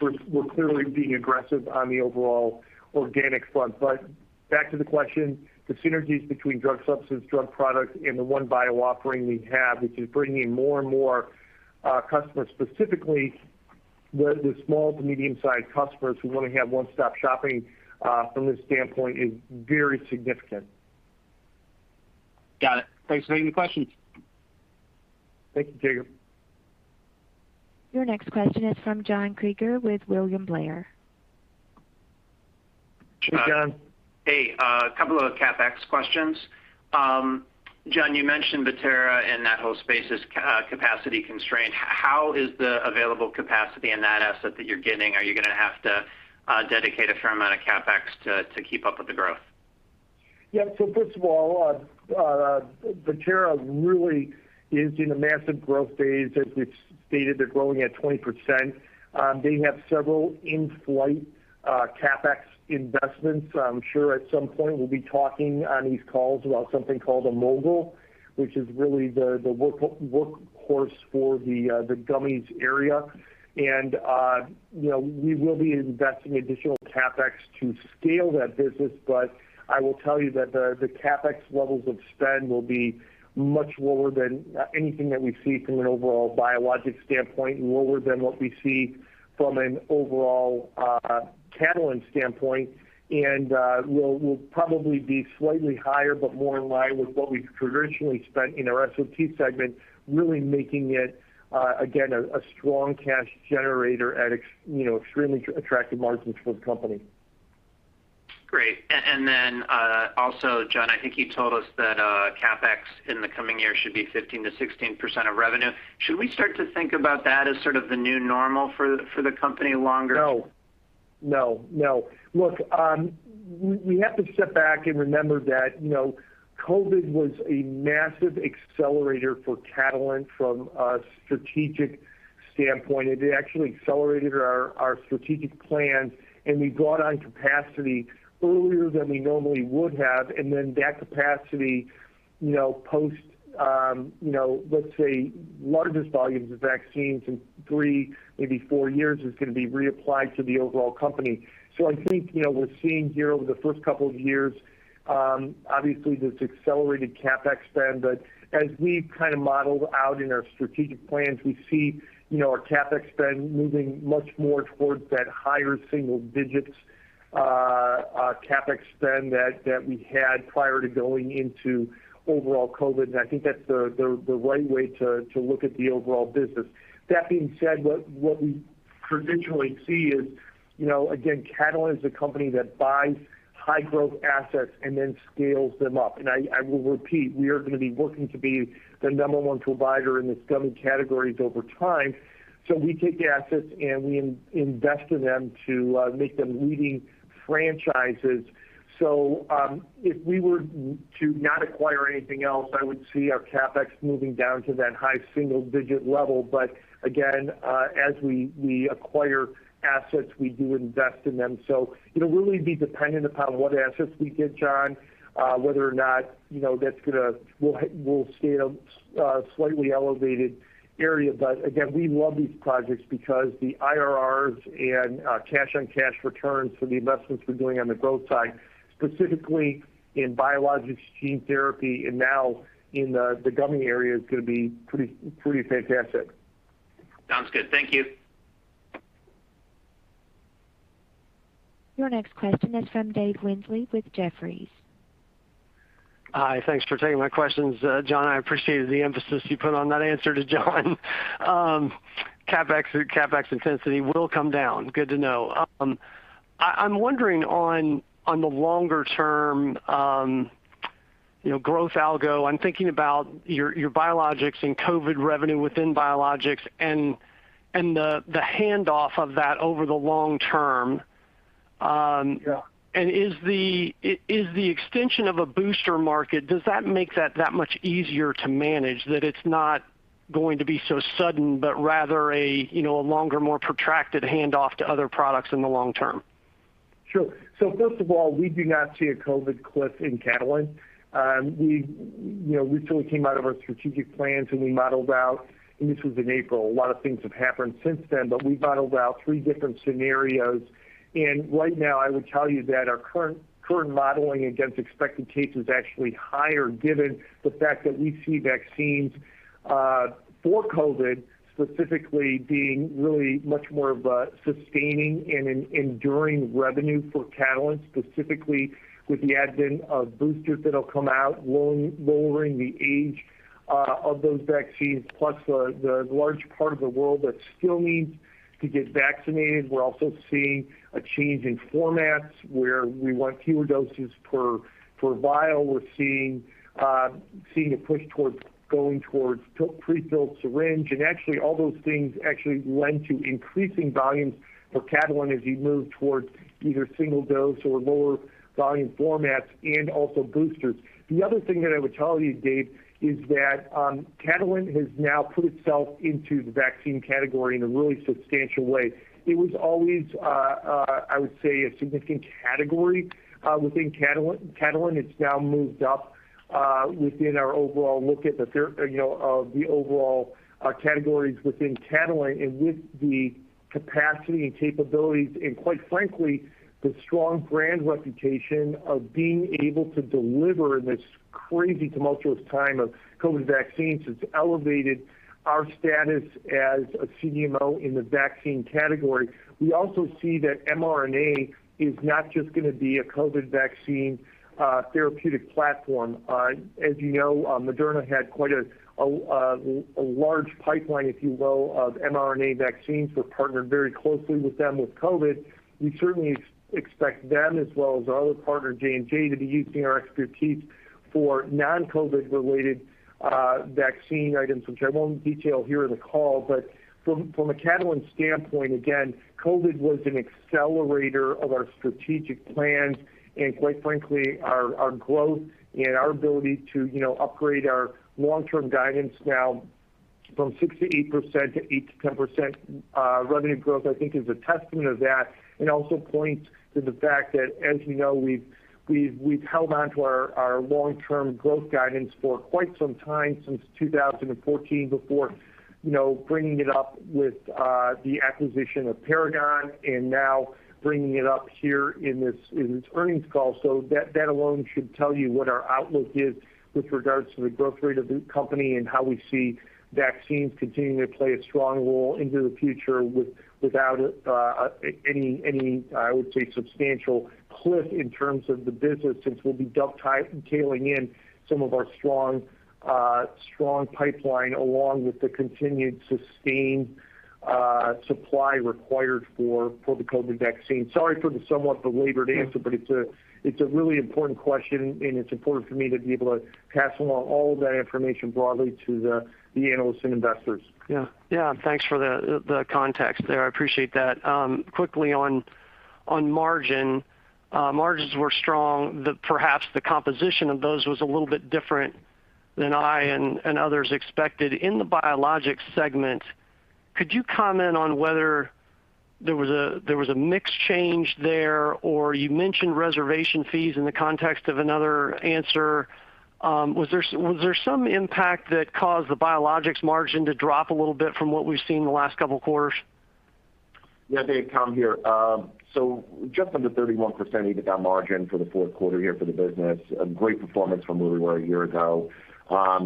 We're clearly being aggressive on the overall organic front. Back to the question, the synergies between drug substance, drug product, and the OneBio offering we have, which is bringing in more and more customers, specifically the small- to medium-sized customers who want to have one-stop shopping from this standpoint is very significant. Got it. Thanks for taking the question. Thank you, Jacob. Your next question is from John Kreger with William Blair. John. Hey. A couple of CapEx questions. John, you mentioned Bettera and that whole space is capacity constrained. How is the available capacity in that asset that you're getting? Are you going to have to dedicate a fair amount of CapEx to keep up with the growth? Yeah. First of all, Bettera really is in a massive growth phase. As we've stated, they're growing at 20%. They have several in-flight CapEx investments. I'm sure at some point we'll be talking on these calls about something called a mogul, which is really the workhorse for the gummies area. We will be investing additional CapEx to scale that business. I will tell you that the CapEx levels of spend will be much lower than anything that we see from an overall Biologics standpoint, lower than what we see from an overall Catalent standpoint. Will probably be slightly higher, but more in line with what we've traditionally spent in our SOT segment, really making it, again, a strong cash generator at extremely attractive margins for the company. Great. Also, John, I think you told us that CapEx in the coming year should be 15%-16% of revenue. Should we start to think about that as sort of the new normal for the company longer? Look, we have to step back and remember that COVID was a massive accelerator for Catalent from a strategic standpoint. It actually accelerated our strategic plans, we brought on capacity earlier than we normally would have. That capacity post let's say largest volumes of vaccines in three, maybe four years is going to be reapplied to the overall company. I think we're seeing here over the first couple of years, obviously this accelerated CapEx spend. As we've kind of modeled out in our strategic plans, we see our CapEx spend moving much more towards that higher single digits CapEx spend that we had prior to going into overall COVID. I think that's the right way to look at the overall business. That being said, what we traditionally see is again, Catalent is a company that buys high growth assets and then scales them up. I will repeat, we are going to be looking to be the number one provider in the gummy categories over time. We take assets and we invest in them to make them leading franchises. If we were to not acquire anything else, I would see our CapEx moving down to that high single-digit level. Again, as we acquire assets, we do invest in them. It'll really be dependent upon what assets we get, John, whether or not we'll stay a slightly elevated area. Again, we love these projects because the IRR and cash on cash returns for the investments we're doing on the growth side, specifically in Biologics gene therapy and now in the gummy area, is going to be pretty fantastic. Sounds good. Thank you. Your next question is from Dave Windley with Jefferies. Hi. Thanks for taking my questions. John, I appreciated the emphasis you put on that answer to John. CapEx intensity will come down. Good to know. I'm wondering on the longer-term growth algo, I'm thinking about your biologics and COVID revenue within biologics and the handoff of that over the long term. Yeah. Is the extension of a booster market, does that make that much easier to manage that it's not going to be so sudden, but rather a longer, more protracted handoff to other products in the long term? Sure. First of all, we do not see a COVID cliff in Catalent. We recently came out of our strategic plans, and we modeled out, and this was in April. A lot of things have happened since then, but we modeled out three different scenarios. Right now, I would tell you that our current modeling against expected case is actually higher given the fact that we see vaccines for COVID specifically being really much more of a sustaining and an enduring revenue for Catalent, specifically with the advent of boosters that'll come out lowering the age of those vaccines, plus the large part of the world that still needs to get vaccinated. We're also seeing a change in formats where we want fewer doses per vial. We're seeing a push towards going towards prefilled syringe. Actually, all those things actually lend to increasing volumes for Catalent as you move towards either single dose or lower volume formats and also boosters. The other thing that I would tell you, Dave, is that Catalent has now put itself into the vaccine category in a really substantial way. It was always, I would say, a significant category within Catalent. It's now moved up within our overall look at the overall categories within Catalent, and with the capacity and capabilities, and quite frankly, the strong brand reputation of being able to deliver in this crazy tumultuous time of COVID vaccines has elevated our status as a CDMO in the vaccine category. We also see that mRNA is not just going to be a COVID vaccine therapeutic platform. As you know, Moderna had quite a large pipeline, if you will, of mRNA vaccines. We're partnered very closely with them with COVID. We certainly expect them as well as our other partner, J&J, to be using our expertise for non-COVID related vaccine items, which I won't detail here in the call. From a Catalent standpoint, again, COVID was an accelerator of our strategic plans. Quite frankly, our growth and our ability to upgrade our long-term guidance now from 6%-8%, to 8%-10% revenue growth, I think is a testament of that, and also points to the fact that, as you know, we've held onto our long-term growth guidance for quite some time, since 2014, before bringing it up with the acquisition of Paragon and now bringing it up here in this earnings call. That alone should tell you what our outlook is with regards to the growth rate of the company and how we see vaccines continuing to play a strong role into the future without any, I would say, substantial cliff in terms of the business since we'll be dovetailing in some of our strong pipeline along with the continued sustained supply required for the COVID vaccine. Sorry for the somewhat belabored answer, but it's a really important question, and it's important for me to be able to pass along all of that information broadly to the analysts and investors. Yeah. Thanks for the context there. I appreciate that. Quickly on margin. Margins were strong. Perhaps the composition of those was a little bit different than I and others expected. In the Biologics segment, could you comment on whether there was a mix change there, or you mentioned reservation fees in the context of another answer. Was there some impact that caused the Biologics margin to drop a little bit from what we've seen in the last couple of quarters? Yeah, Dave, Tom here. Just under 31% EBITDA margin for the fourth quarter here for the business. A great performance from where we were a year ago.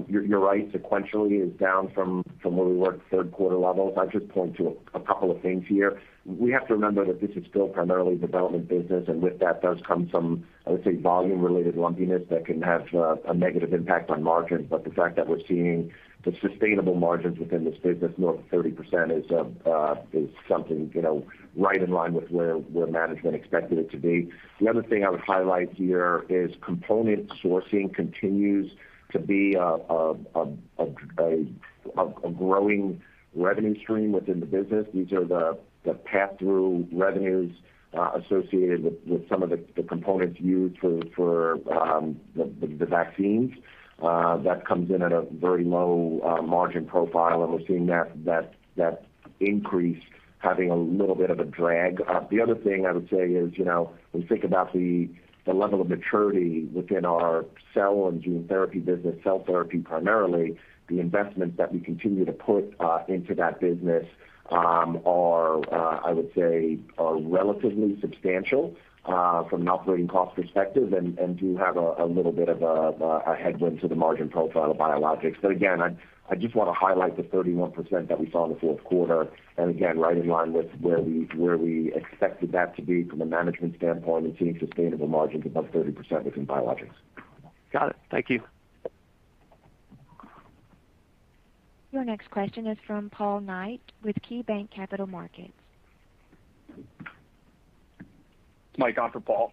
You're right, sequentially is down from where we were at third quarter levels. I'd just point to a couple of things here. We have to remember that this is still primarily development business, and with that does come some, I would say, volume-related lumpiness that can have a negative impact on margins. The fact that we're seeing the sustainable margins within this business north of 30% is something right in line with where management expected it to be. The other thing I would highlight here is component sourcing continues to be a growing revenue stream within the business. These are the pass-through revenues associated with some of the components used for the vaccines. That comes in at a very low margin profile. We're seeing that increase having a little bit of a drag. The other thing I would say is, when we think about the level of maturity within our Cell & Gene Therapy business, Cell Therapy primarily, the investments that we continue to put into that business are relatively substantial from an operating cost perspective and do have a little bit of a headwind to the margin profile of Biologics. Again, I just want to highlight the 31% that we saw in the fourth quarter. Again, right in line with where we expected that to be from a management standpoint and seeing sustainable margins above 30% within Biologics. Got it. Thank you. Your next question is from Paul Knight with KeyBanc Capital Markets. Mike on for Paul.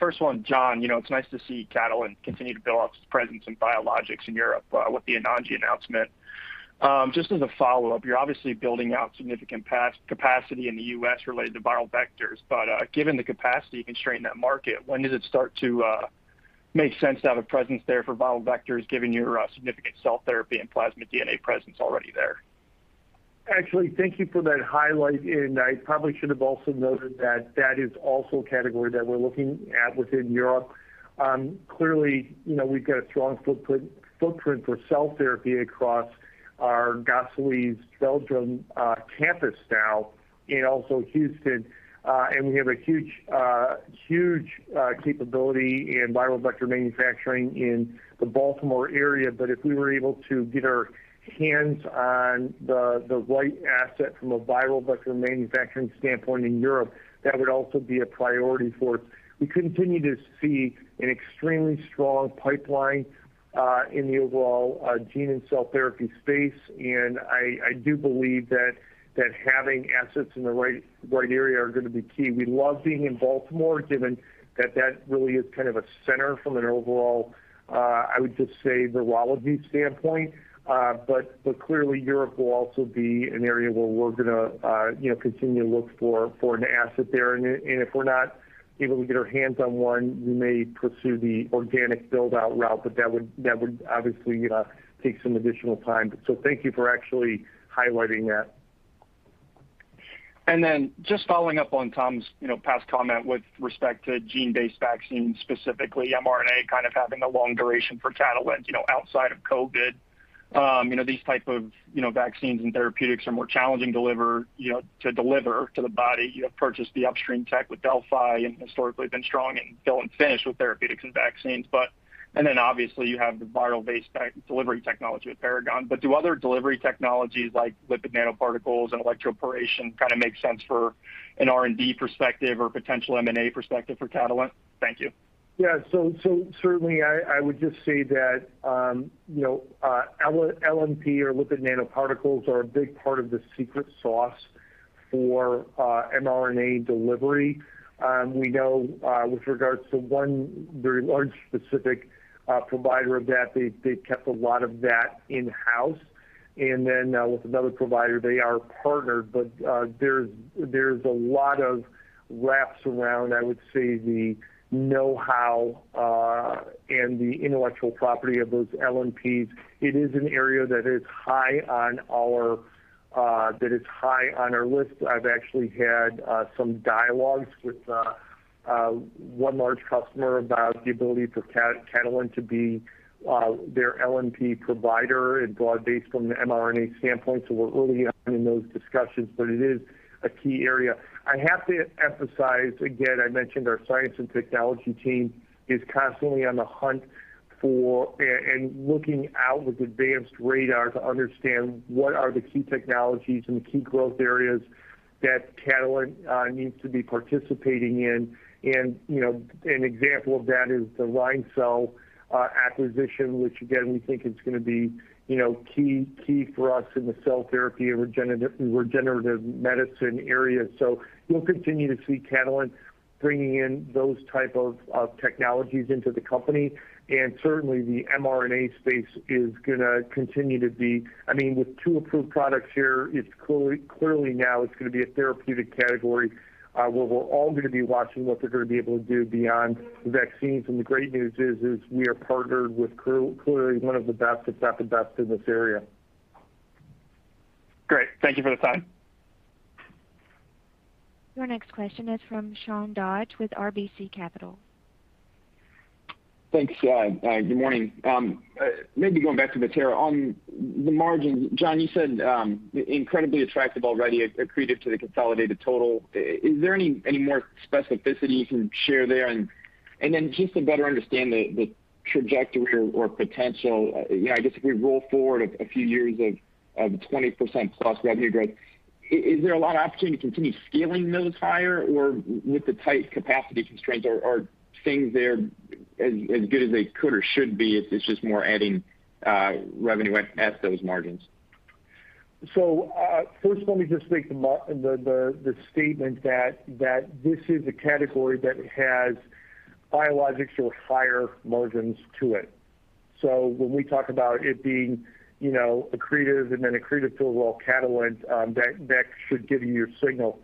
First one, John, it's nice to see Catalent continue to build out its presence in Biologics in Europe with the Anagni announcement. Just as a follow-up, you're obviously building out significant capacity in the U.S. related to viral vectors. Given the capacity constraint in that market, when does it start to make sense to have a presence there for viral vectors given your significant cell therapy and plasmid DNA presence already there? Actually, thank you for that highlight. I probably should have also noted that that is also a category that we are looking at within Europe. Clearly, we have got a strong footprint for cell therapy across our Gosselies, Belgium campus now and also Houston. We have a huge capability in viral vector manufacturing in the Baltimore area. If we were able to get our hands on the right asset from a viral vector manufacturing standpoint in Europe, that would also be a priority for us. We continue to see an extremely strong pipeline in the overall gene and cell therapy space, and I do believe that having assets in the right area are going to be key. We love being in Baltimore, given that that really is kind of a center from an overall, I would just say, virology standpoint. Clearly Europe will also be an area where we're going to continue to look for an asset there. If we're not able to get our hands on one, we may pursue the organic build-out route, but that would obviously take some additional time. Thank you for actually highlighting that. Just following up on Tom's past comment with respect to gene-based vaccines, specifically mRNA kind of having a long duration for Catalent outside of COVID. These type of vaccines and therapeutics are more challenging to deliver to the body. You have purchased the upstream tech with Delphi and historically been strong in fill and finish with therapeutics and vaccines. Obviously, you have the viral-based delivery technology with Paragon. Do other delivery technologies like lipid nanoparticles and electroporation kind of make sense for an R&D perspective or potential M&A perspective for Catalent? Thank you. Yeah. Certainly I would just say that LNP or lipid nanoparticles are a big part of the secret sauce for mRNA delivery. We know with regards to one very large specific provider that they've kept a lot of that in-house, and then with another provider, they are partnered, but there's a lot of wraps around, I would say, the know-how and the intellectual property of those LNPs. It is an area that is high on our list. I've actually had some dialogues with one large customer about the ability for Catalent to be their LNP provider, and based on the mRNA standpoint. We're early on in those discussions, but it is a key area. I have to emphasize again, I mentioned our science and technology team is constantly on the hunt for, and looking out with advanced radar to understand what are the key technologies and the key growth areas that Catalent needs to be participating in. An example of that is the RheinCell acquisition, which again, we think is going to be key for us in the cell therapy and regenerative medicine area. You'll continue to see Catalent bringing in those type of technologies into the company. Certainly, the mRNA space is going to continue to be, with two approved products here, it's clearly now it's going to be a therapeutic category where we're all going to be watching what they're going to be able to do beyond the vaccines. The great news is, we are partnered with clearly one of the best, if not the best in this area. Great. Thank you for the time. Your next question is from Sean Dodge with RBC Capital. Thanks. Good morning. Maybe going back to Bettera. On the margin, John, you said incredibly attractive already, accretive to the consolidated total. Is there any more specificity you can share there? Then just to better understand the trajectory or potential, I guess if we roll forward a few years of 20%+ revenue growth, is there a lot of opportunity to continue scaling those higher? Or with the tight capacity constraints, are things there as good as they could or should be, it's just more adding revenue at those margins? First let me just make the statement that this is a category that has biologics or higher margins to it. When we talk about it being accretive and then accretive to Catalent, that should give you your signal.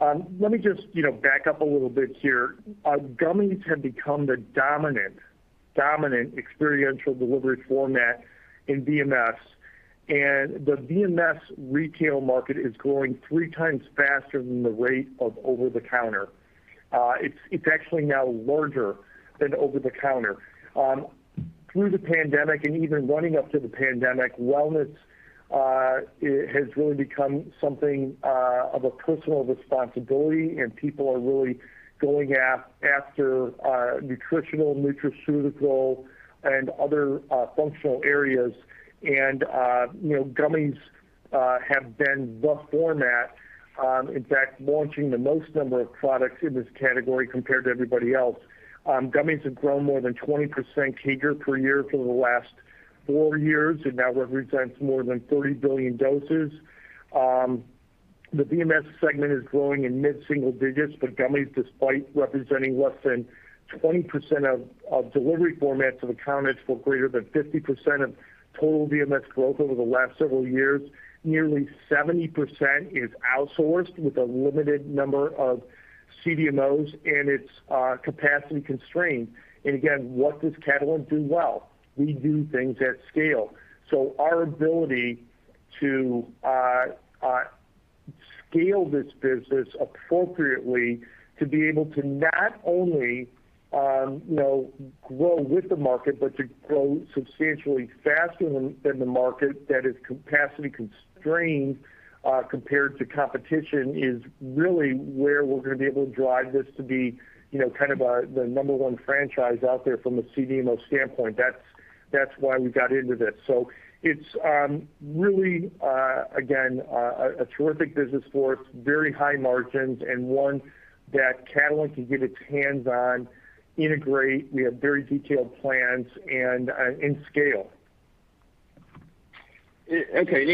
Let me just back up a little bit here. Gummies have become the dominant experiential delivery format in VMS, and the VMS retail market is growing 3+ faster than the rate of over-the-counter. It's actually now larger than over-the-counter. Through the pandemic and even running up to the pandemic, wellness has really become something of a personal responsibility, and people are really going after nutritional, nutraceutical, and other functional areas. Gummies have been the format, in fact, launching the most number of products in this category compared to everybody else. Gummies have grown more than 20% year per year for the last four years and now represents more than 40 billion doses. The VMS segment is growing in mid-single digits, but gummies, despite representing less than 20% of delivery formats, have accounted for greater than 50% of total VMS growth over the last several years. Nearly 70% is outsourced with a limited number of CDMOs, and it's capacity constrained. Again, what does Catalent do well? We do things at scale. Our ability to scale this business appropriately to be able to not only grow with the market, but to grow substantially faster than the market that is capacity constrained compared to competition, is really where we're going to be able to drive this to be the number one franchise out there from a CDMO standpoint. That's why we got into this. It's really, again, a terrific business for us, very high margins, and one that Catalent can get its hands on, integrate, we have very detailed plans, and scale. Okay.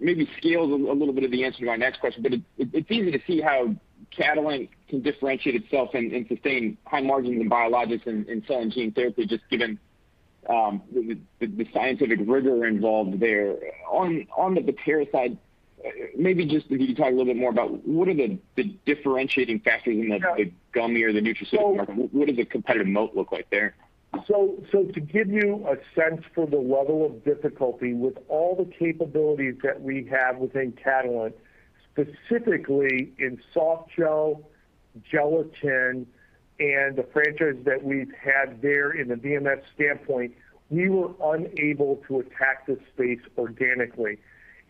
Maybe scale is a little bit of the answer to my next question, but it's easy to see how Catalent can differentiate itself and sustain high margins in Biologics and cell and gene therapy, just given the scientific rigor involved there. On the Bettera side, maybe just could you talk a little bit more about what are the differentiating factors in the gummy or the nutraceutical market? What does the competitive moat look like there? To give you a sense for the level of difficulty, with all the capabilities that we have within Catalent, specifically in soft gel, gelatin, and the franchise that we've had there in the VMS standpoint, we were unable to attack this space organically.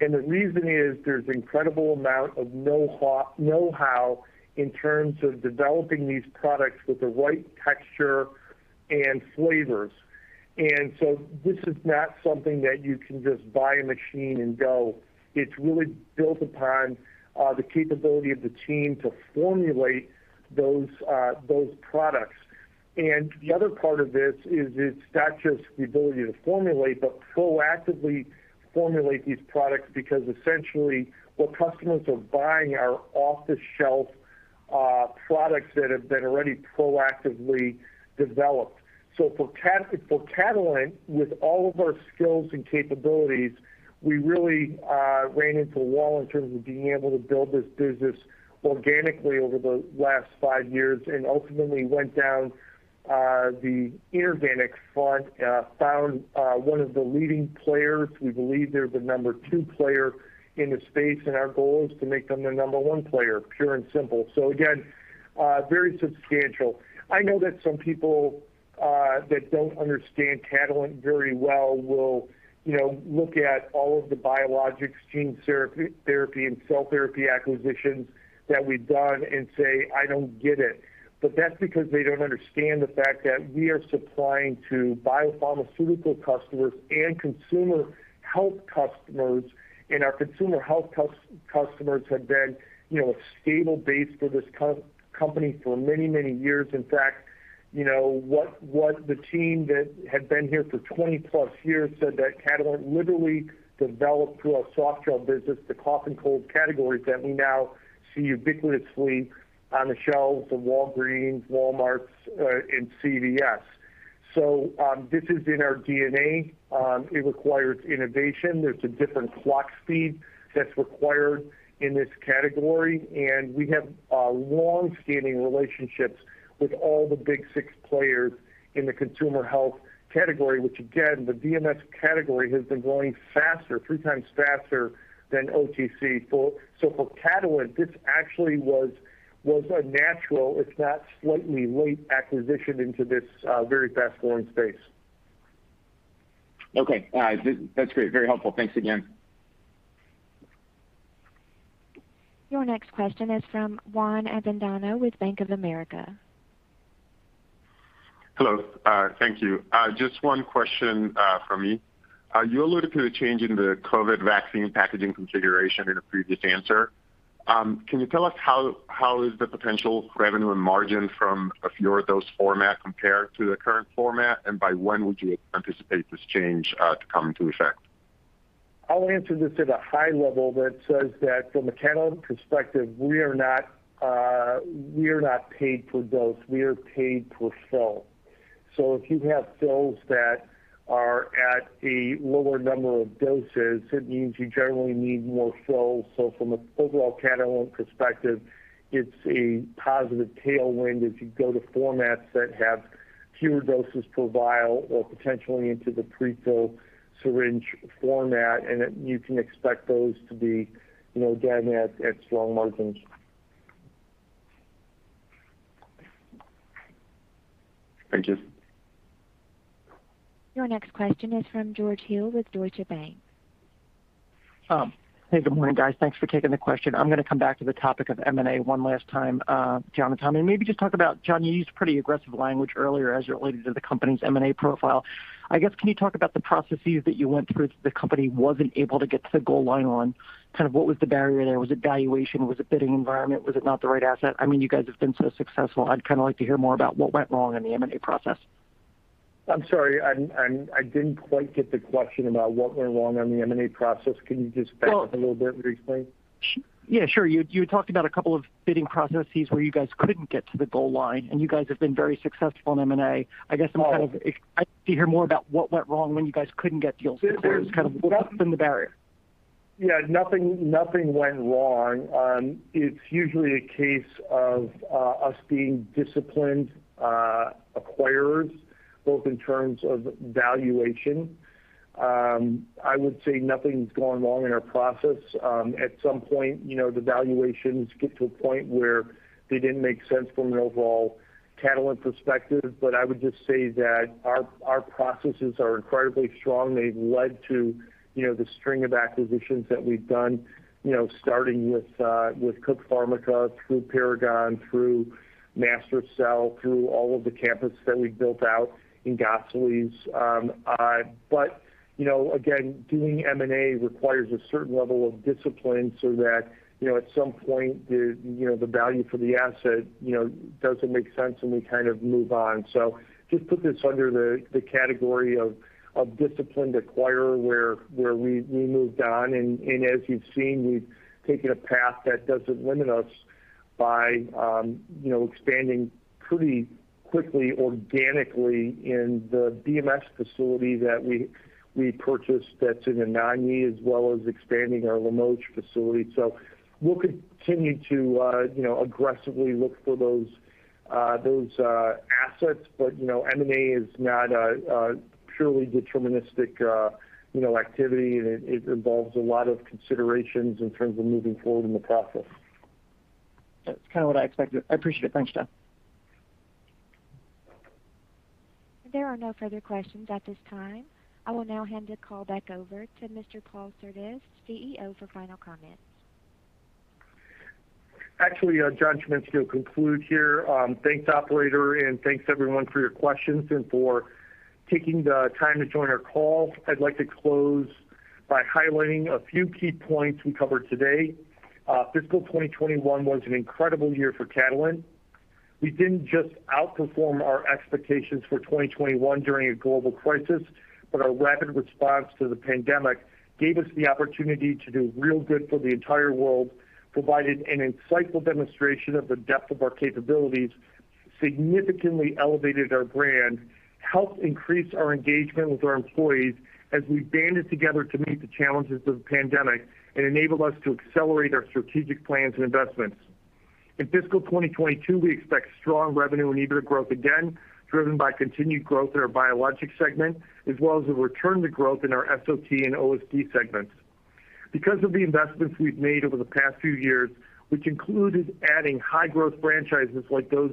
The reason is there's incredible amount of know-how in terms of developing these products with the right texture and flavors. This is not something that you can just buy a machine and go. It's really built upon the capability of the team to formulate those products. The other part of this is it's not just the ability to formulate, but proactively formulate these products because essentially what customers are buying are off-the-shelf products that have been already proactively developed. For Catalent, with all of our skills and capabilities, we really ran into a wall in terms of being able to build this business organically over the last five years and ultimately went down the inorganic front, found one of the leading players. We believe they're the number two player in the space, and our goal is to make them the number one player, pure and simple. Again, very substantial. I know that some people that don't understand Catalent very well will look at all of the Biologics, gene therapy, and cell therapy acquisitions that we've done and say, "I don't get it." That's because they don't understand the fact that we are supplying to biopharmaceutical customers and Consumer Health customers, and our Consumer Health customers have been a stable base for this company for many, many years. In fact, the team that had been here for 20+ years said that Catalent literally developed through our soft gel business, the cough and cold categories that we now see ubiquitously on the shelves of Walgreens, Walmart, and CVS. This is in our DNA. It requires innovation. There's a different clock speed that's required in this category, and we have longstanding relationships with all the big six players in the consumer health category, which again, the VMS category has been growing faster, 3x faster, than OTC. For Catalent, this actually was a natural, if not slightly late, acquisition into this very fast-growing space. Okay. That's great. Very helpful. Thanks again. Your next question is from Juan Avendano with Bank of America. Hello. Thank you. Just one question from me. You alluded to the change in the COVID vaccine packaging configuration in a previous answer. Can you tell us how is the potential revenue and margin from a fewer-dose format compare to the current format? By when would you anticipate this change to come to effect? I'll answer this at a high level that says that from a Catalent perspective, we are not paid per dose, we are paid per fill. If you have fills that are at a lower number of doses, it means you generally need more fills. From an overall Catalent perspective, it's a positive tailwind as you go to formats that have fewer doses per vial or potentially into the pre-fill syringe format, and you can expect those to be again at strong margins. Thank you. Your next question is from George Hill with Deutsche Bank. Hey, good morning, guys. Thanks for taking the question. I'm going to come back to the topic of M&A one last time, John and Tom, and maybe just talk about, John, you used pretty aggressive language earlier as it related to the company's M&A profile. I guess, can you talk about the processes that you went through that the company wasn't able to get to the goal line on? What was the barrier there? Was it valuation? Was it bidding environment? Was it not the right asset? You guys have been so successful. I'd like to hear more about what went wrong in the M&A process. I'm sorry. I didn't quite get the question about what went wrong on the M&A process. Can you just back up a little bit and re-explain? Yeah, sure. You talked about two bidding processes where you guys couldn't get to the goal line, and you guys have been very successful in M&A. I guess I'd like to hear more about what went wrong when you guys couldn't get deals through. What has been the barrier? Yeah, nothing went wrong. It's usually a case of us being disciplined acquirers, both in terms of valuation. I would say nothing's gone wrong in our process. At some point, the valuations get to a point where they didn't make sense from an overall Catalent perspective. I would just say that our processes are incredibly strong. They've led to the string of acquisitions that we've done, starting with Cook Pharmica, through Paragon, through MaSTherCell, through all of the campus that we built out in Gosselies. Again, doing M&A requires a certain level of discipline so that at some point the value for the asset doesn't make sense and we move on. Just put this under the category of disciplined acquirer where we moved on, and as you've seen, we've taken a path that doesn't limit us by expanding pretty quickly organically in the BMS facility that we purchased that's in Anagni as well as expanding our Limoges facility. We'll continue to aggressively look for those assets. M&A is not a purely deterministic activity, and it involves a lot of considerations in terms of moving forward in the process. That's what I expected. I appreciate it. Thanks, John. There are no further questions at this time. I will now hand the call back over to Mr. [John Chiminski, CEO], for final comments. Actually, John Chiminski will conclude here. Thanks, operator, thanks everyone for your questions and for taking the time to join our call. I'd like to close by highlighting a few key points we covered today. Fiscal 2021 was an incredible year for Catalent. We didn't just outperform our expectations for 2021 during a global crisis, but our rapid response to the pandemic gave us the opportunity to do real good for the entire world, provided an insightful demonstration of the depth of our capabilities, significantly elevated our brand, helped increase our engagement with our employees as we banded together to meet the challenges of the pandemic, and enabled us to accelerate our strategic plans and investments. In Fiscal 2022, we expect strong revenue and EBITDA growth again, driven by continued growth in our Biologics segment, as well as a return to growth in our SOT and OSD segments. Because of the investments we've made over the past few years, which included adding high-growth franchises like those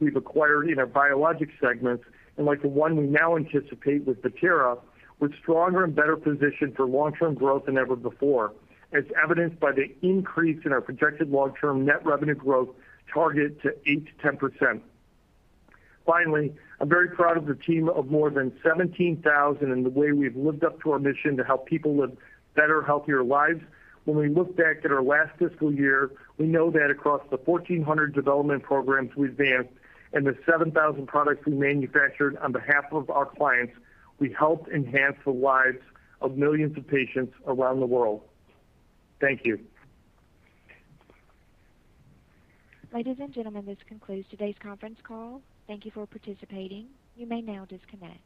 we've acquired in our Biologics segment and like the one we now anticipate with Bettera, we're stronger and better positioned for long-term growth than ever before, as evidenced by the increase in our projected long-term net revenue growth target to 8%-10%. Finally, I'm very proud of the team of more than 17,000 and the way we've lived up to our mission to help people live better, healthier lives. When we look back at our last fiscal year, we know that across the 1,400 development programs we advanced and the 7,000 products we manufactured on behalf of our clients, we helped enhance the lives of millions of patients around the world. Thank you. Ladies and gentlemen, this concludes today's conference call. Thank you for participating. You may now disconnect.